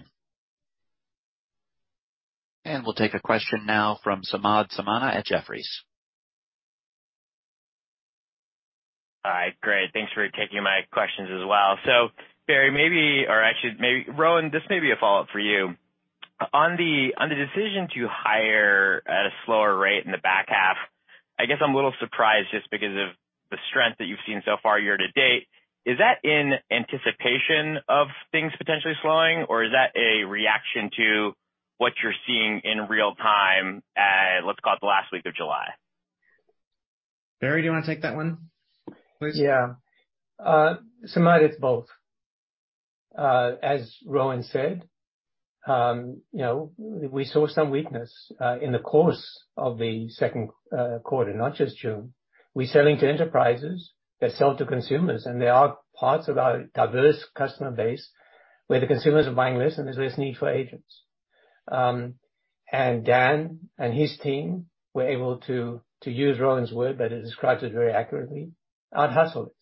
We'll take a question now from Samad Samana at Jefferies. All right. Great. Thanks for taking my questions as well. Barry, maybe or actually maybe Rowan, this may be a follow-up for you. On the decision to hire at a slower rate in the back half, I guess I'm a little surprised just because of the strength that you've seen so far year to date. Is that in anticipation of things potentially slowing, or is that a reaction to what you're seeing in real-time at, let's call it, the last week of July? Barry, do you wanna take that one, please? Yeah. Samad, it's both. As Rowan said, you know, we saw some weakness in the course of the second quarter, not just June. We're selling to enterprises that sell to consumers, and there are parts of our diverse customer base where the consumers are buying less and there's less need for agents. Dan and his team were able to use Rowan's word, but it describes it very accurately, out-hustle it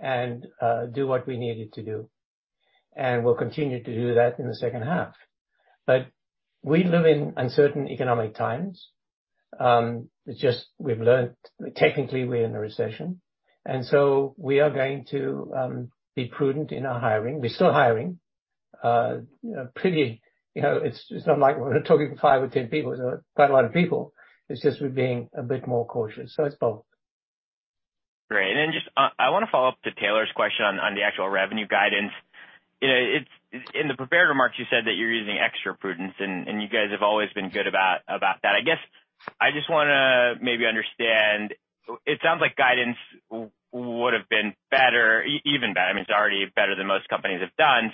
and do what we needed to do. We'll continue to do that in the second half. We live in uncertain economic times. It's just we've learned technically we're in a recession, and so we are going to be prudent in our hiring. We're still hiring, you know. You know, it's not like we're talking five or 10 people. It's quite a lot of people. It's just we're being a bit more cautious. It's both. Great. Just, I wanna follow up to Taylor's question on the actual revenue guidance. You know, it's in the prepared remarks, you said that you're using extra prudence and you guys have always been good about that. I guess I just wanna maybe understand. It sounds like guidance would've been better, even better. I mean, it's already better than most companies have done.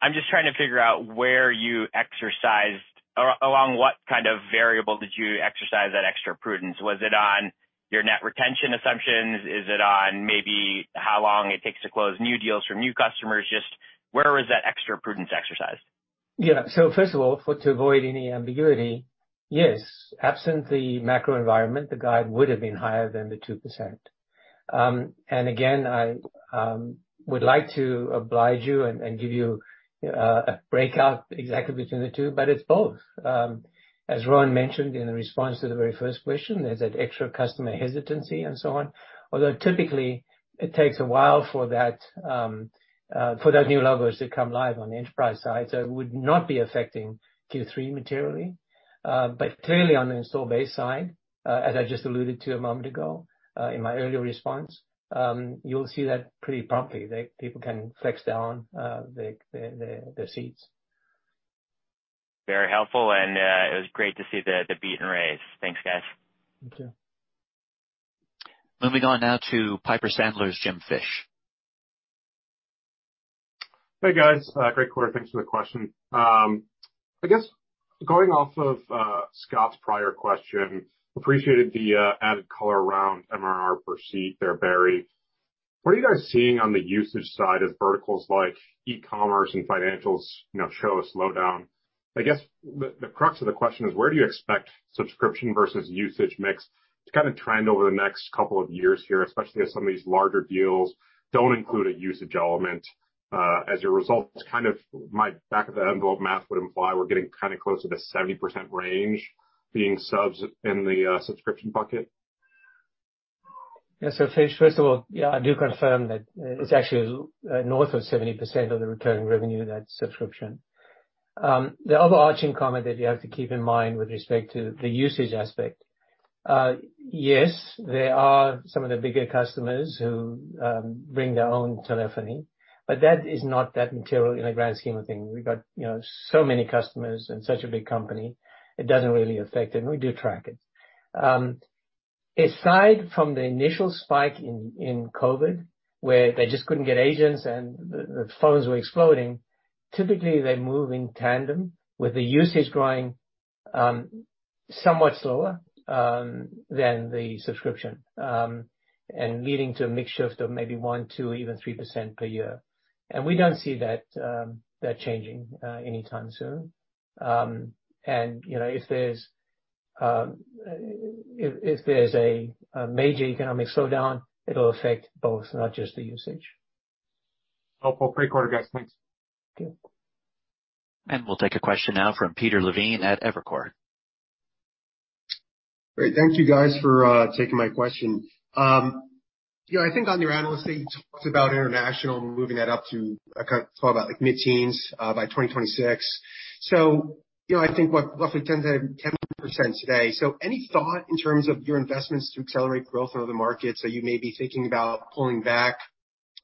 I'm just trying to figure out where you exercised or along what kind of variable did you exercise that extra prudence. Was it on your net retention assumptions? Is it on maybe how long it takes to close new deals from new customers? Just where was that extra prudence exercised? Yeah. First of all, in order to avoid any ambiguity, yes, absent the macro environment, the guide would have been higher than the 2%. Again, I would like to oblige you and give you a breakout exactly between the two, but it's both. As Rowan mentioned in the response to the very first question, there's that extra customer hesitancy and so on. Although typically it takes a while for those new logos to come live on the enterprise side, so it would not be affecting Q3 materially. Clearly on the install base side, as I just alluded to a moment ago, in my earlier response, you'll see that pretty promptly. The people can flex down the seats. Very helpful. It was great to see the beat and raise. Thanks, guys. Thank you. Moving on now to Piper Sandler’s James Fish. Hey, guys. Great quarter. Thanks for the question. I guess going off of Scott's prior question, appreciated the added color around MRR per seat there, Barry. What are you guys seeing on the usage side as verticals like e-commerce and financials, you know, show a slowdown? I guess the crux of the question is where do you expect subscription versus usage mix to kinda trend over the next couple of years here, especially as some of these larger deals don't include a usage element as a result? It's kind of my back of the envelope math would imply we're getting kinda close to the 70% range being subs in the subscription bucket. Yeah, Fish, first of all, yeah, I do confirm that it's actually north of 70% of the recurring revenue that's subscription. The overarching comment that you have to keep in mind with respect to the usage aspect, yes, there are some of the bigger customers who bring their own telephony, but that is not that material in the grand scheme of things. We've got, you know, so many customers and such a big company, it doesn't really affect it, and we do track it. Aside from the initial spike in COVID, where they just couldn't get agents and the phones were exploding, typically they move in tandem with the usage growing somewhat slower than the subscription and leading to a mix shift of maybe 1%, 2%, even 3% per year. We don't see that changing anytime soon. You know, if there's a major economic slowdown, it'll affect both, not just the usage. Helpful. Great quarter, guys. Thanks. Thank you. We'll take a question now from Peter Levine at Evercore. Great. Thank you guys for taking my question. You know, I think on your Analyst Day, you talked about international and moving that up to kind of thought about, like, mid-teens by 2026. You know, I think we're roughly 10 to 10% today. Any thought in terms of your investments to accelerate growth in other markets that you may be thinking about pulling back?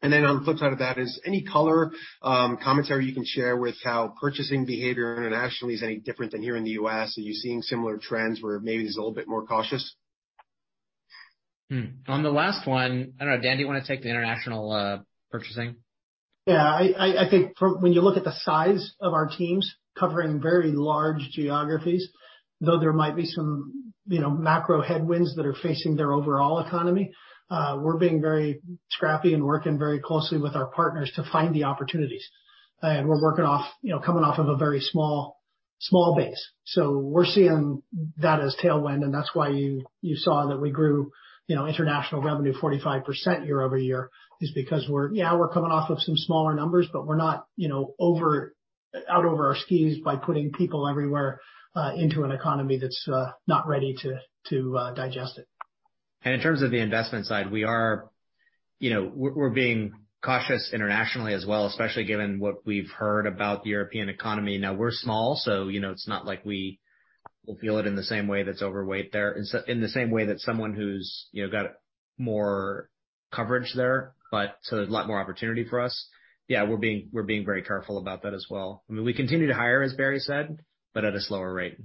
Then on the flip side of that is any color commentary you can share with how purchasing behavior internationally is any different than here in the US? Are you seeing similar trends where maybe it's a little bit more cautious? On the last one, I don't know, Dan, do you wanna take the international purchasing? Yeah. I think from when you look at the size of our teams covering very large geographies, though there might be some, you know, macro headwinds that are facing their overall economy, we're being very scrappy and working very closely with our partners to find the opportunities. We're working off, you know, coming off of a very small base. So we're seeing that is tailwind, and that's why you saw that we grew, you know, international revenue 45% year-over-year is because we're. Yeah, we're coming off of some smaller numbers, but we're not, you know, out over our skis by putting people everywhere into an economy that's not ready to digest it. In terms of the investment side, we are, you know, we're being cautious internationally as well, especially given what we've heard about the European economy. Now we're small, so you know, it's not like we will feel it in the same way that's overweight there. In the same way that someone who's, you know, got more coverage there, but so a lot more opportunity for us. Yeah, we're being very careful about that as well. I mean, we continue to hire, as Barry said, but at a slower rate.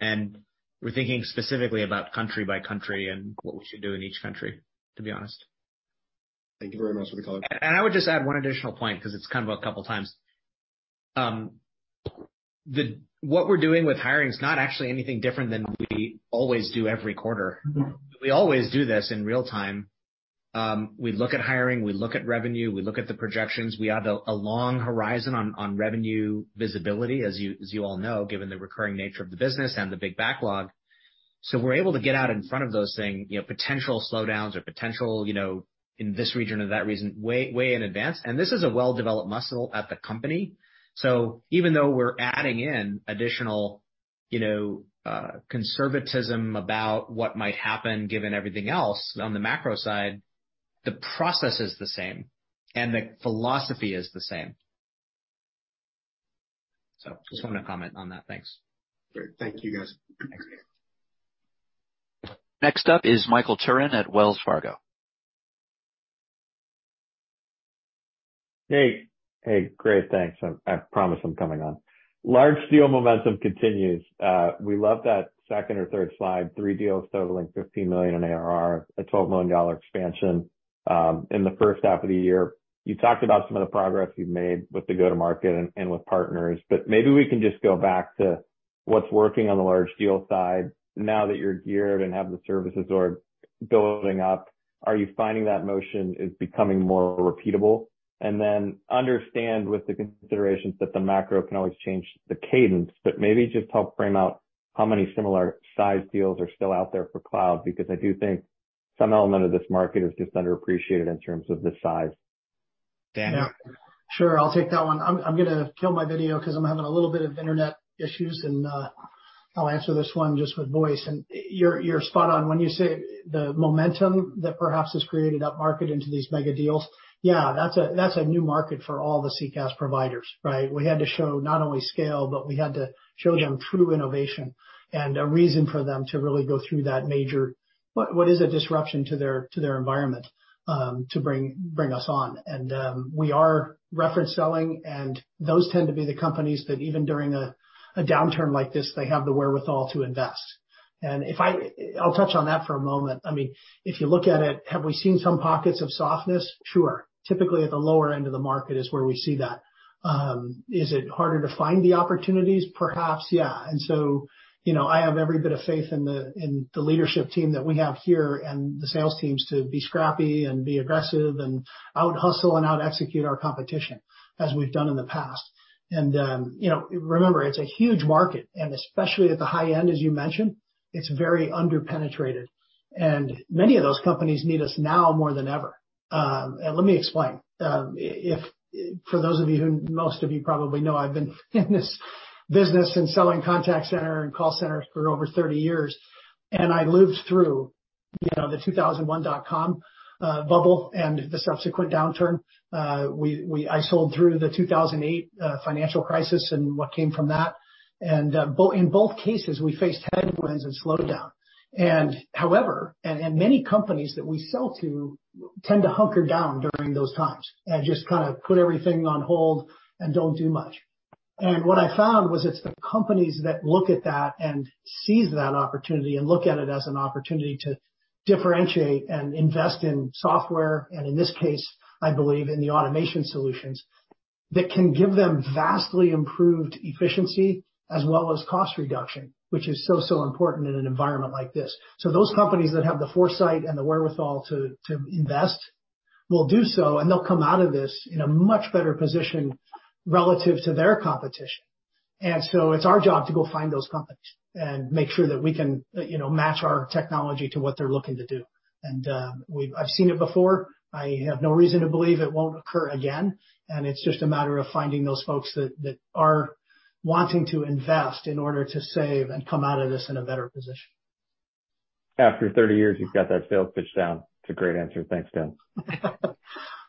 We're thinking specifically about country by country and what we should do in each country, to be honest. Thank you very much for the color. I would just add one additional point because it's come up a couple times. What we're doing with hiring is not actually anything different than we always do every quarter. We always do this in real time. We look at hiring, we look at revenue, we look at the projections. We have a long horizon on revenue visibility, as you all know, given the recurring nature of the business and the big backlog. We're able to get out in front of those things, you know, potential slowdowns or potential, you know, in this region or that region way in advance. This is a well-developed muscle at the company. Even though we're adding in additional, you know, conservatism about what might happen given everything else on the macro side, the process is the same and the philosophy is the same. Just wanted to comment on that. Thanks. Great. Thank you, guys. Thanks. Next up is Michael Turrin at Wells Fargo. Hey. Hey, great. Thanks. I promise I'm coming on. Large deal momentum continues. We love that second or third slide, three deals totaling 15 million in ARR, a $12 million expansion in the first half of the year. You talked about some of the progress you've made with the go-to-market and with partners, but maybe we can just go back to what's working on the large deal side now that you're geared and have the services org building up. Are you finding that motion is becoming more repeatable? Understand with the considerations that the macro can always change the cadence, but maybe just help frame out how many similar size deals are still out there for cloud. Because I do think some element of this market is just underappreciated in terms of the size. Dan. Yeah. Sure. I'll take that one. I'm gonna kill my video because I'm having a little bit of internet issues, and I'll answer this one just with voice. You're spot on when you say the momentum that perhaps has created upmarket into these mega deals. Yeah, that's a new market for all the CCaaS providers, right? We had to show not only scale, but we had to show them true innovation and a reason for them to really go through that major, what is a disruption to their environment, to bring us on. We are reference selling, and those tend to be the companies that even during a downturn like this, they have the wherewithal to invest. I'll touch on that for a moment. I mean, if you look at it, have we seen some pockets of softness? Sure. Typically, at the lower end of the market is where we see that. Is it harder to find the opportunities? Perhaps, yeah. You know, I have every bit of faith in the leadership team that we have here and the sales teams to be scrappy and be aggressive and out-hustle and out-execute our competition, as we've done in the past. You know, remember, it's a huge market, and especially at the high end, as you mentioned, it's very under-penetrated. Many of those companies need us now more than ever. Let me explain. If for those of you who most of you probably know, I've been in this business in selling contact center and call centers for over 30 years, and I lived through you know the 2001 dot-com bubble and the subsequent downturn. I sold through the 2008 financial crisis and what came from that. In both cases, we faced headwinds and slowdown. However, many companies that we sell to tend to hunker down during those times and just kinda put everything on hold and don't do much. What I found was it's the companies that look at that and seize that opportunity and look at it as an opportunity to differentiate and invest in software, and in this case, I believe in the automation solutions, that can give them vastly improved efficiency as well as cost reduction, which is so important in an environment like this. Those companies that have the foresight and the wherewithal to invest will do so, and they'll come out of this in a much better position relative to their competition. It's our job to go find those companies and make sure that we can, you know, match our technology to what they're looking to do. I've seen it before. I have no reason to believe it won't occur again. It's just a matter of finding those folks that are wanting to invest in order to save and come out of this in a better position. After 30 years, you've got that sales pitch down. It's a great answer. Thanks, Dan.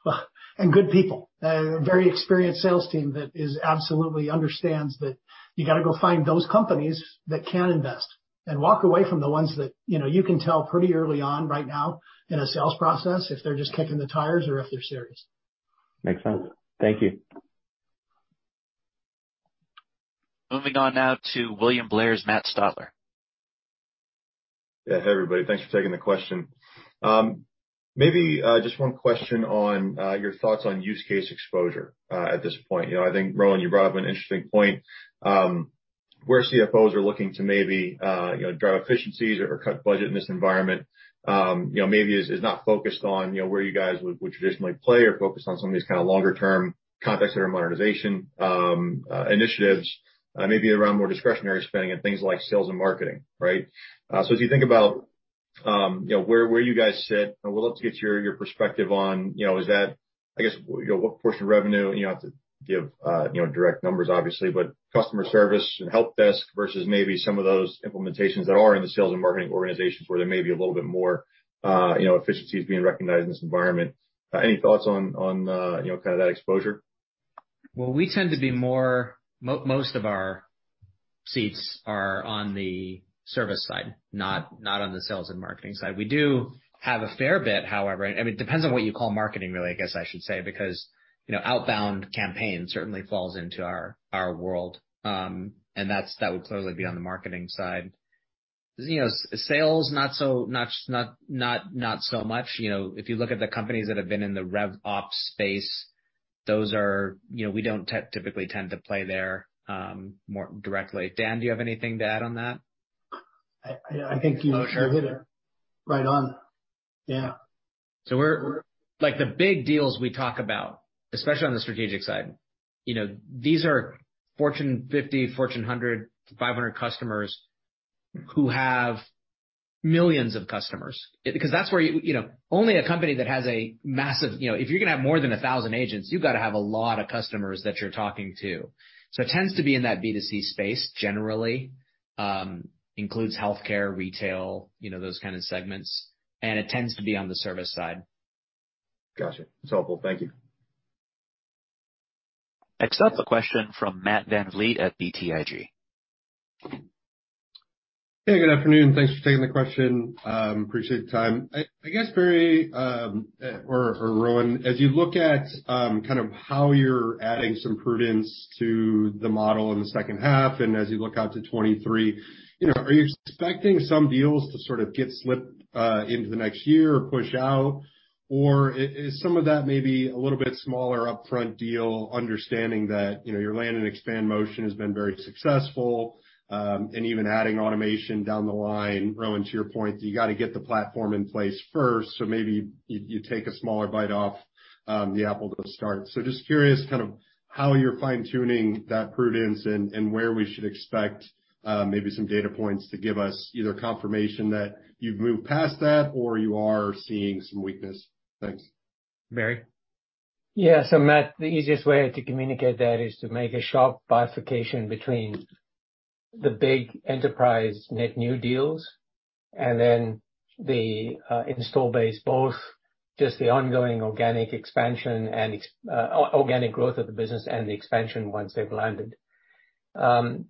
Well, good people. A very experienced sales team that is absolutely understands that you gotta go find those companies that can invest and walk away from the ones that, you know, you can tell pretty early on right now in a sales process if they're just kicking the tires or if they're serious. Makes sense. Thank you. Moving on now to William Blair's Matt Stotler. Hey, everybody. Thanks for taking the question. Maybe just one question on your thoughts on use case exposure at this point. You know, I think, Rowan, you brought up an interesting point, where CFOs are looking to maybe you know, drive efficiencies or cut budget in this environment. You know, maybe is not focused on you know, where you guys would traditionally play or focused on some of these kinda longer-term contact center modernization initiatives maybe around more discretionary spending and things like sales and marketing, right? So as you think about- You know, where you guys sit, I would love to get your perspective on, you know, is that, I guess, you know, what portion of revenue, and you don't have to give, you know, direct numbers obviously, but customer service and help desk versus maybe some of those implementations that are in the sales and marketing organizations where there may be a little bit more, you know, efficiencies being recognized in this environment. Any thoughts on, you know, kind of that exposure? Well, most of our seats are on the service side, not on the sales and marketing side. We do have a fair bit, however. I mean, depends on what you call marketing, really. I guess I should say, because, you know, outbound campaigns certainly falls into our world. That would clearly be on the marketing side. You know, sales, not so much. You know, if you look at the companies that have been in the rev ops space, those are, you know, we don't typically tend to play there more directly. Dan, do you have anything to add on that? I think you hit it right on. Yeah. Like the big deals we talk about, especially on the strategic side, you know, these are Fortune 50, Fortune 100, 500 customers who have millions of customers. Because that's where you know only a company that has a massive, you know, if you're gonna have more than 1,000 agents, you've got to have a lot of customers that you're talking to. It tends to be in that B2C space generally includes healthcare, retail, you know, those kind of segments, and it tends to be on the service side. Got you. It's helpful. Thank you. Next up, a question from Matt VanVliet at BTIG. Hey, good afternoon. Thanks for taking the question. Appreciate the time. I guess, Barry, or Rowan, as you look at kind of how you're adding some prudence to the model in the second half, and as you look out to 2023, you know, are you expecting some deals to sort of get slipped into the next year or push out? Or is some of that maybe a little bit smaller upfront deal, understanding that, you know, your land and expand motion has been very successful, and even adding automation down the line, Rowan, to your point, you gotta get the platform in place first, so maybe you take a smaller bite off the apple to start. Just curious kind of how you're fine-tuning that prudence and where we should expect, maybe some data points to give us either confirmation that you've moved past that or you are seeing some weakness. Thanks. Barry? Yeah. Matt, the easiest way to communicate that is to make a sharp bifurcation between the big enterprise net new deals and then the install base, both just the ongoing organic expansion and organic growth of the business and the expansion once they've landed. Dan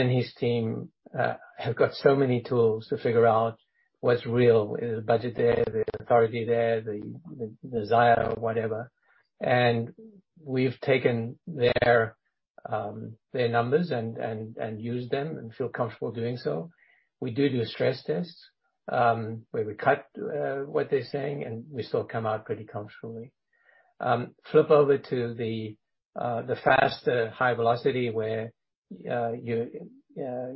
and his team have got so many tools to figure out what's real. Is the budget there, the authority there, the desire, whatever. We've taken their numbers and used them and feel comfortable doing so. We do a stress test where we cut what they're saying, and we still come out pretty comfortably. Flip over to the faster high velocity where you're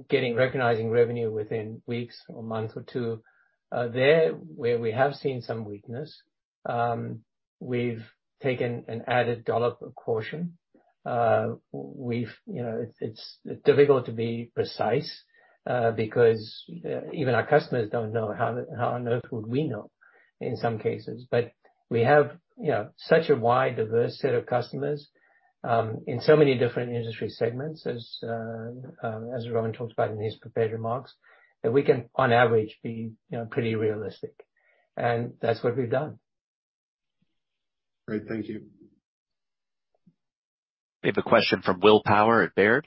getting recognizing revenue within weeks or months or two. Where we have seen some weakness, we've taken an added dollop of caution. We've, you know, it's difficult to be precise, because even our customers don't know, how on earth would we know in some cases. We have, you know, such a wide, diverse set of customers, in so many different industry segments, as Rowan talked about in his prepared remarks, that we can, on average, be, you know, pretty realistic. That's what we've done. Great. Thank you. We have a question from William Power at Baird.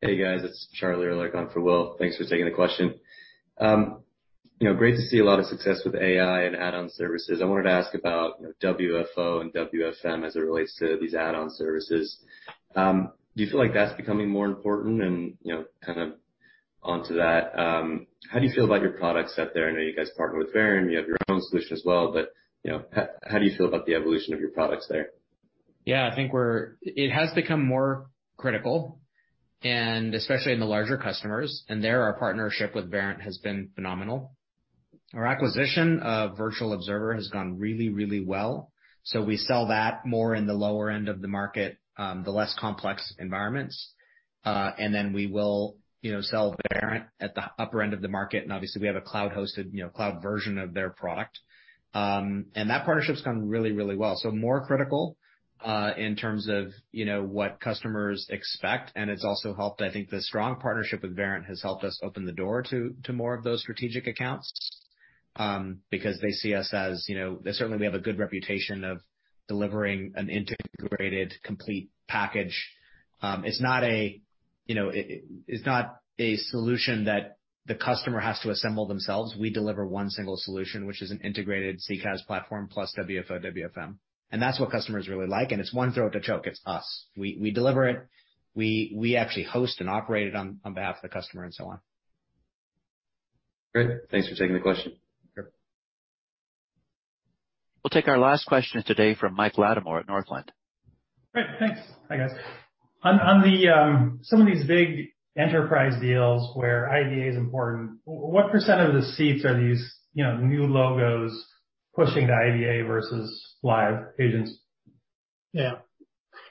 Hey, guys. It's Charlie Erlikh on for Will. Thanks for taking the question. You know, great to see a lot of success with AI and add-on services. I wanted to ask about WFO and WFM as it relates to these add-on services. Do you feel like that's becoming more important? You know, kind of onto that, how do you feel about your product set there? I know you guys partner with Verint. You have your own solution as well. You know, how do you feel about the evolution of your products there? It has become more critical, and especially in the larger customers. There, our partnership with Verint has been phenomenal. Our acquisition of Virtual Observer has gone really, really well. We sell that more in the lower end of the market, the less complex environments. We will sell Verint at the upper end of the market. Obviously, we have a cloud-hosted, you know, cloud version of their product. That partnership's gone really, really well. More critical in terms of what customers expect. It's also helped. I think the strong partnership with Verint has helped us open the door to more of those strategic accounts, because they see us as, you know, certainly we have a good reputation of delivering an integrated complete package. You know, it's not a solution that the customer has to assemble themselves. We deliver one single solution, which is an integrated CCaaS platform plus WFO, WFM. That's what customers really like. It's one throat to choke. It's us. We deliver it. We actually host and operate it on behalf of the customer and so on. Great. Thanks for taking the question. Sure. We'll take our last question today from Mike Latimore at Northland. Great. Thanks. Hi, guys. On some of these big enterprise deals where IVA is important, what % of the seats are these, you know, new logos pushing to IVA versus live agents? Yeah.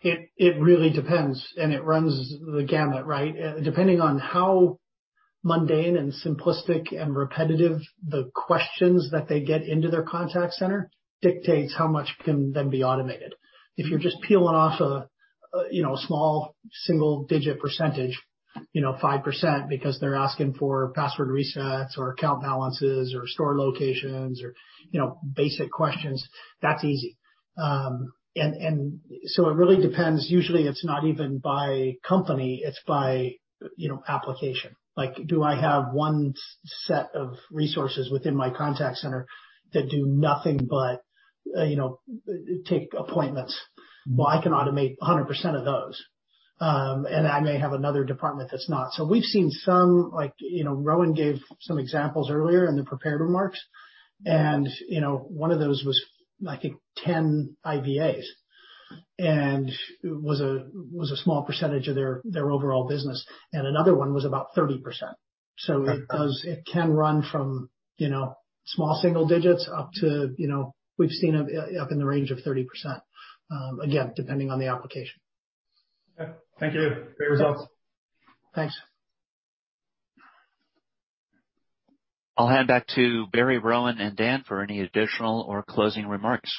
It really depends, and it runs the gamut, right? Depending on how mundane and simplistic and repetitive the questions that they get into their contact center dictates how much can then be automated. If you're just peeling off a you know, small single digit percentage, you know, 5% because they're asking for password resets or account balances or store locations or, you know, basic questions, that's easy. It really depends. Usually it's not even by company, it's by, you know, application. Like, do I have one set of resources within my contact center that do nothing but, you know, take appointments? Well, I can automate 100% of those. And I may have another department that's not. We've seen some like, you know, Rowan gave some examples earlier in the prepared remarks. You know, one of those was, I think, 10 IVAs, and it was a small percentage of their overall business, and another one was about 30%. It does. It can run from, you know, small single digits up to, you know, we've seen up in the range of 30%, again, depending on the application. Okay. Thank you. Great results. Thanks. I'll hand back to Barry, Rowan, and Dan for any additional or closing remarks.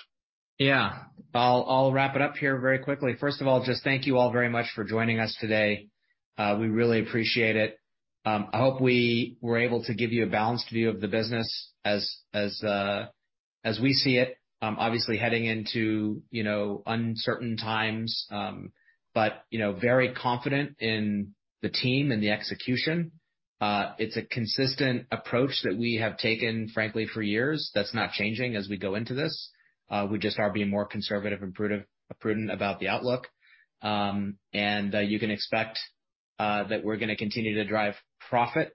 Yeah. I'll wrap it up here very quickly. First of all, just thank you all very much for joining us today. We really appreciate it. I hope we were able to give you a balanced view of the business as we see it. Obviously heading into, you know, uncertain times, but, you know, very confident in the team and the execution. It's a consistent approach that we have taken, frankly, for years. That's not changing as we go into this. We just are being more conservative and prudent about the outlook. You can expect that we're gonna continue to drive profit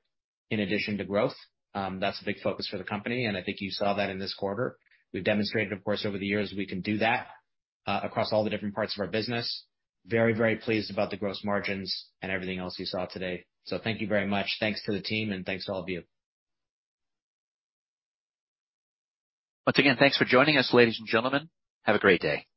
in addition to growth. That's a big focus for the company, and I think you saw that in this quarter. We've demonstrated, of course, over the years we can do that, across all the different parts of our business. Very, very pleased about the gross margins and everything else you saw today. Thank you very much. Thanks to the team, and thanks to all of you. Once again, thanks for joining us, ladies and gentlemen. Have a great day.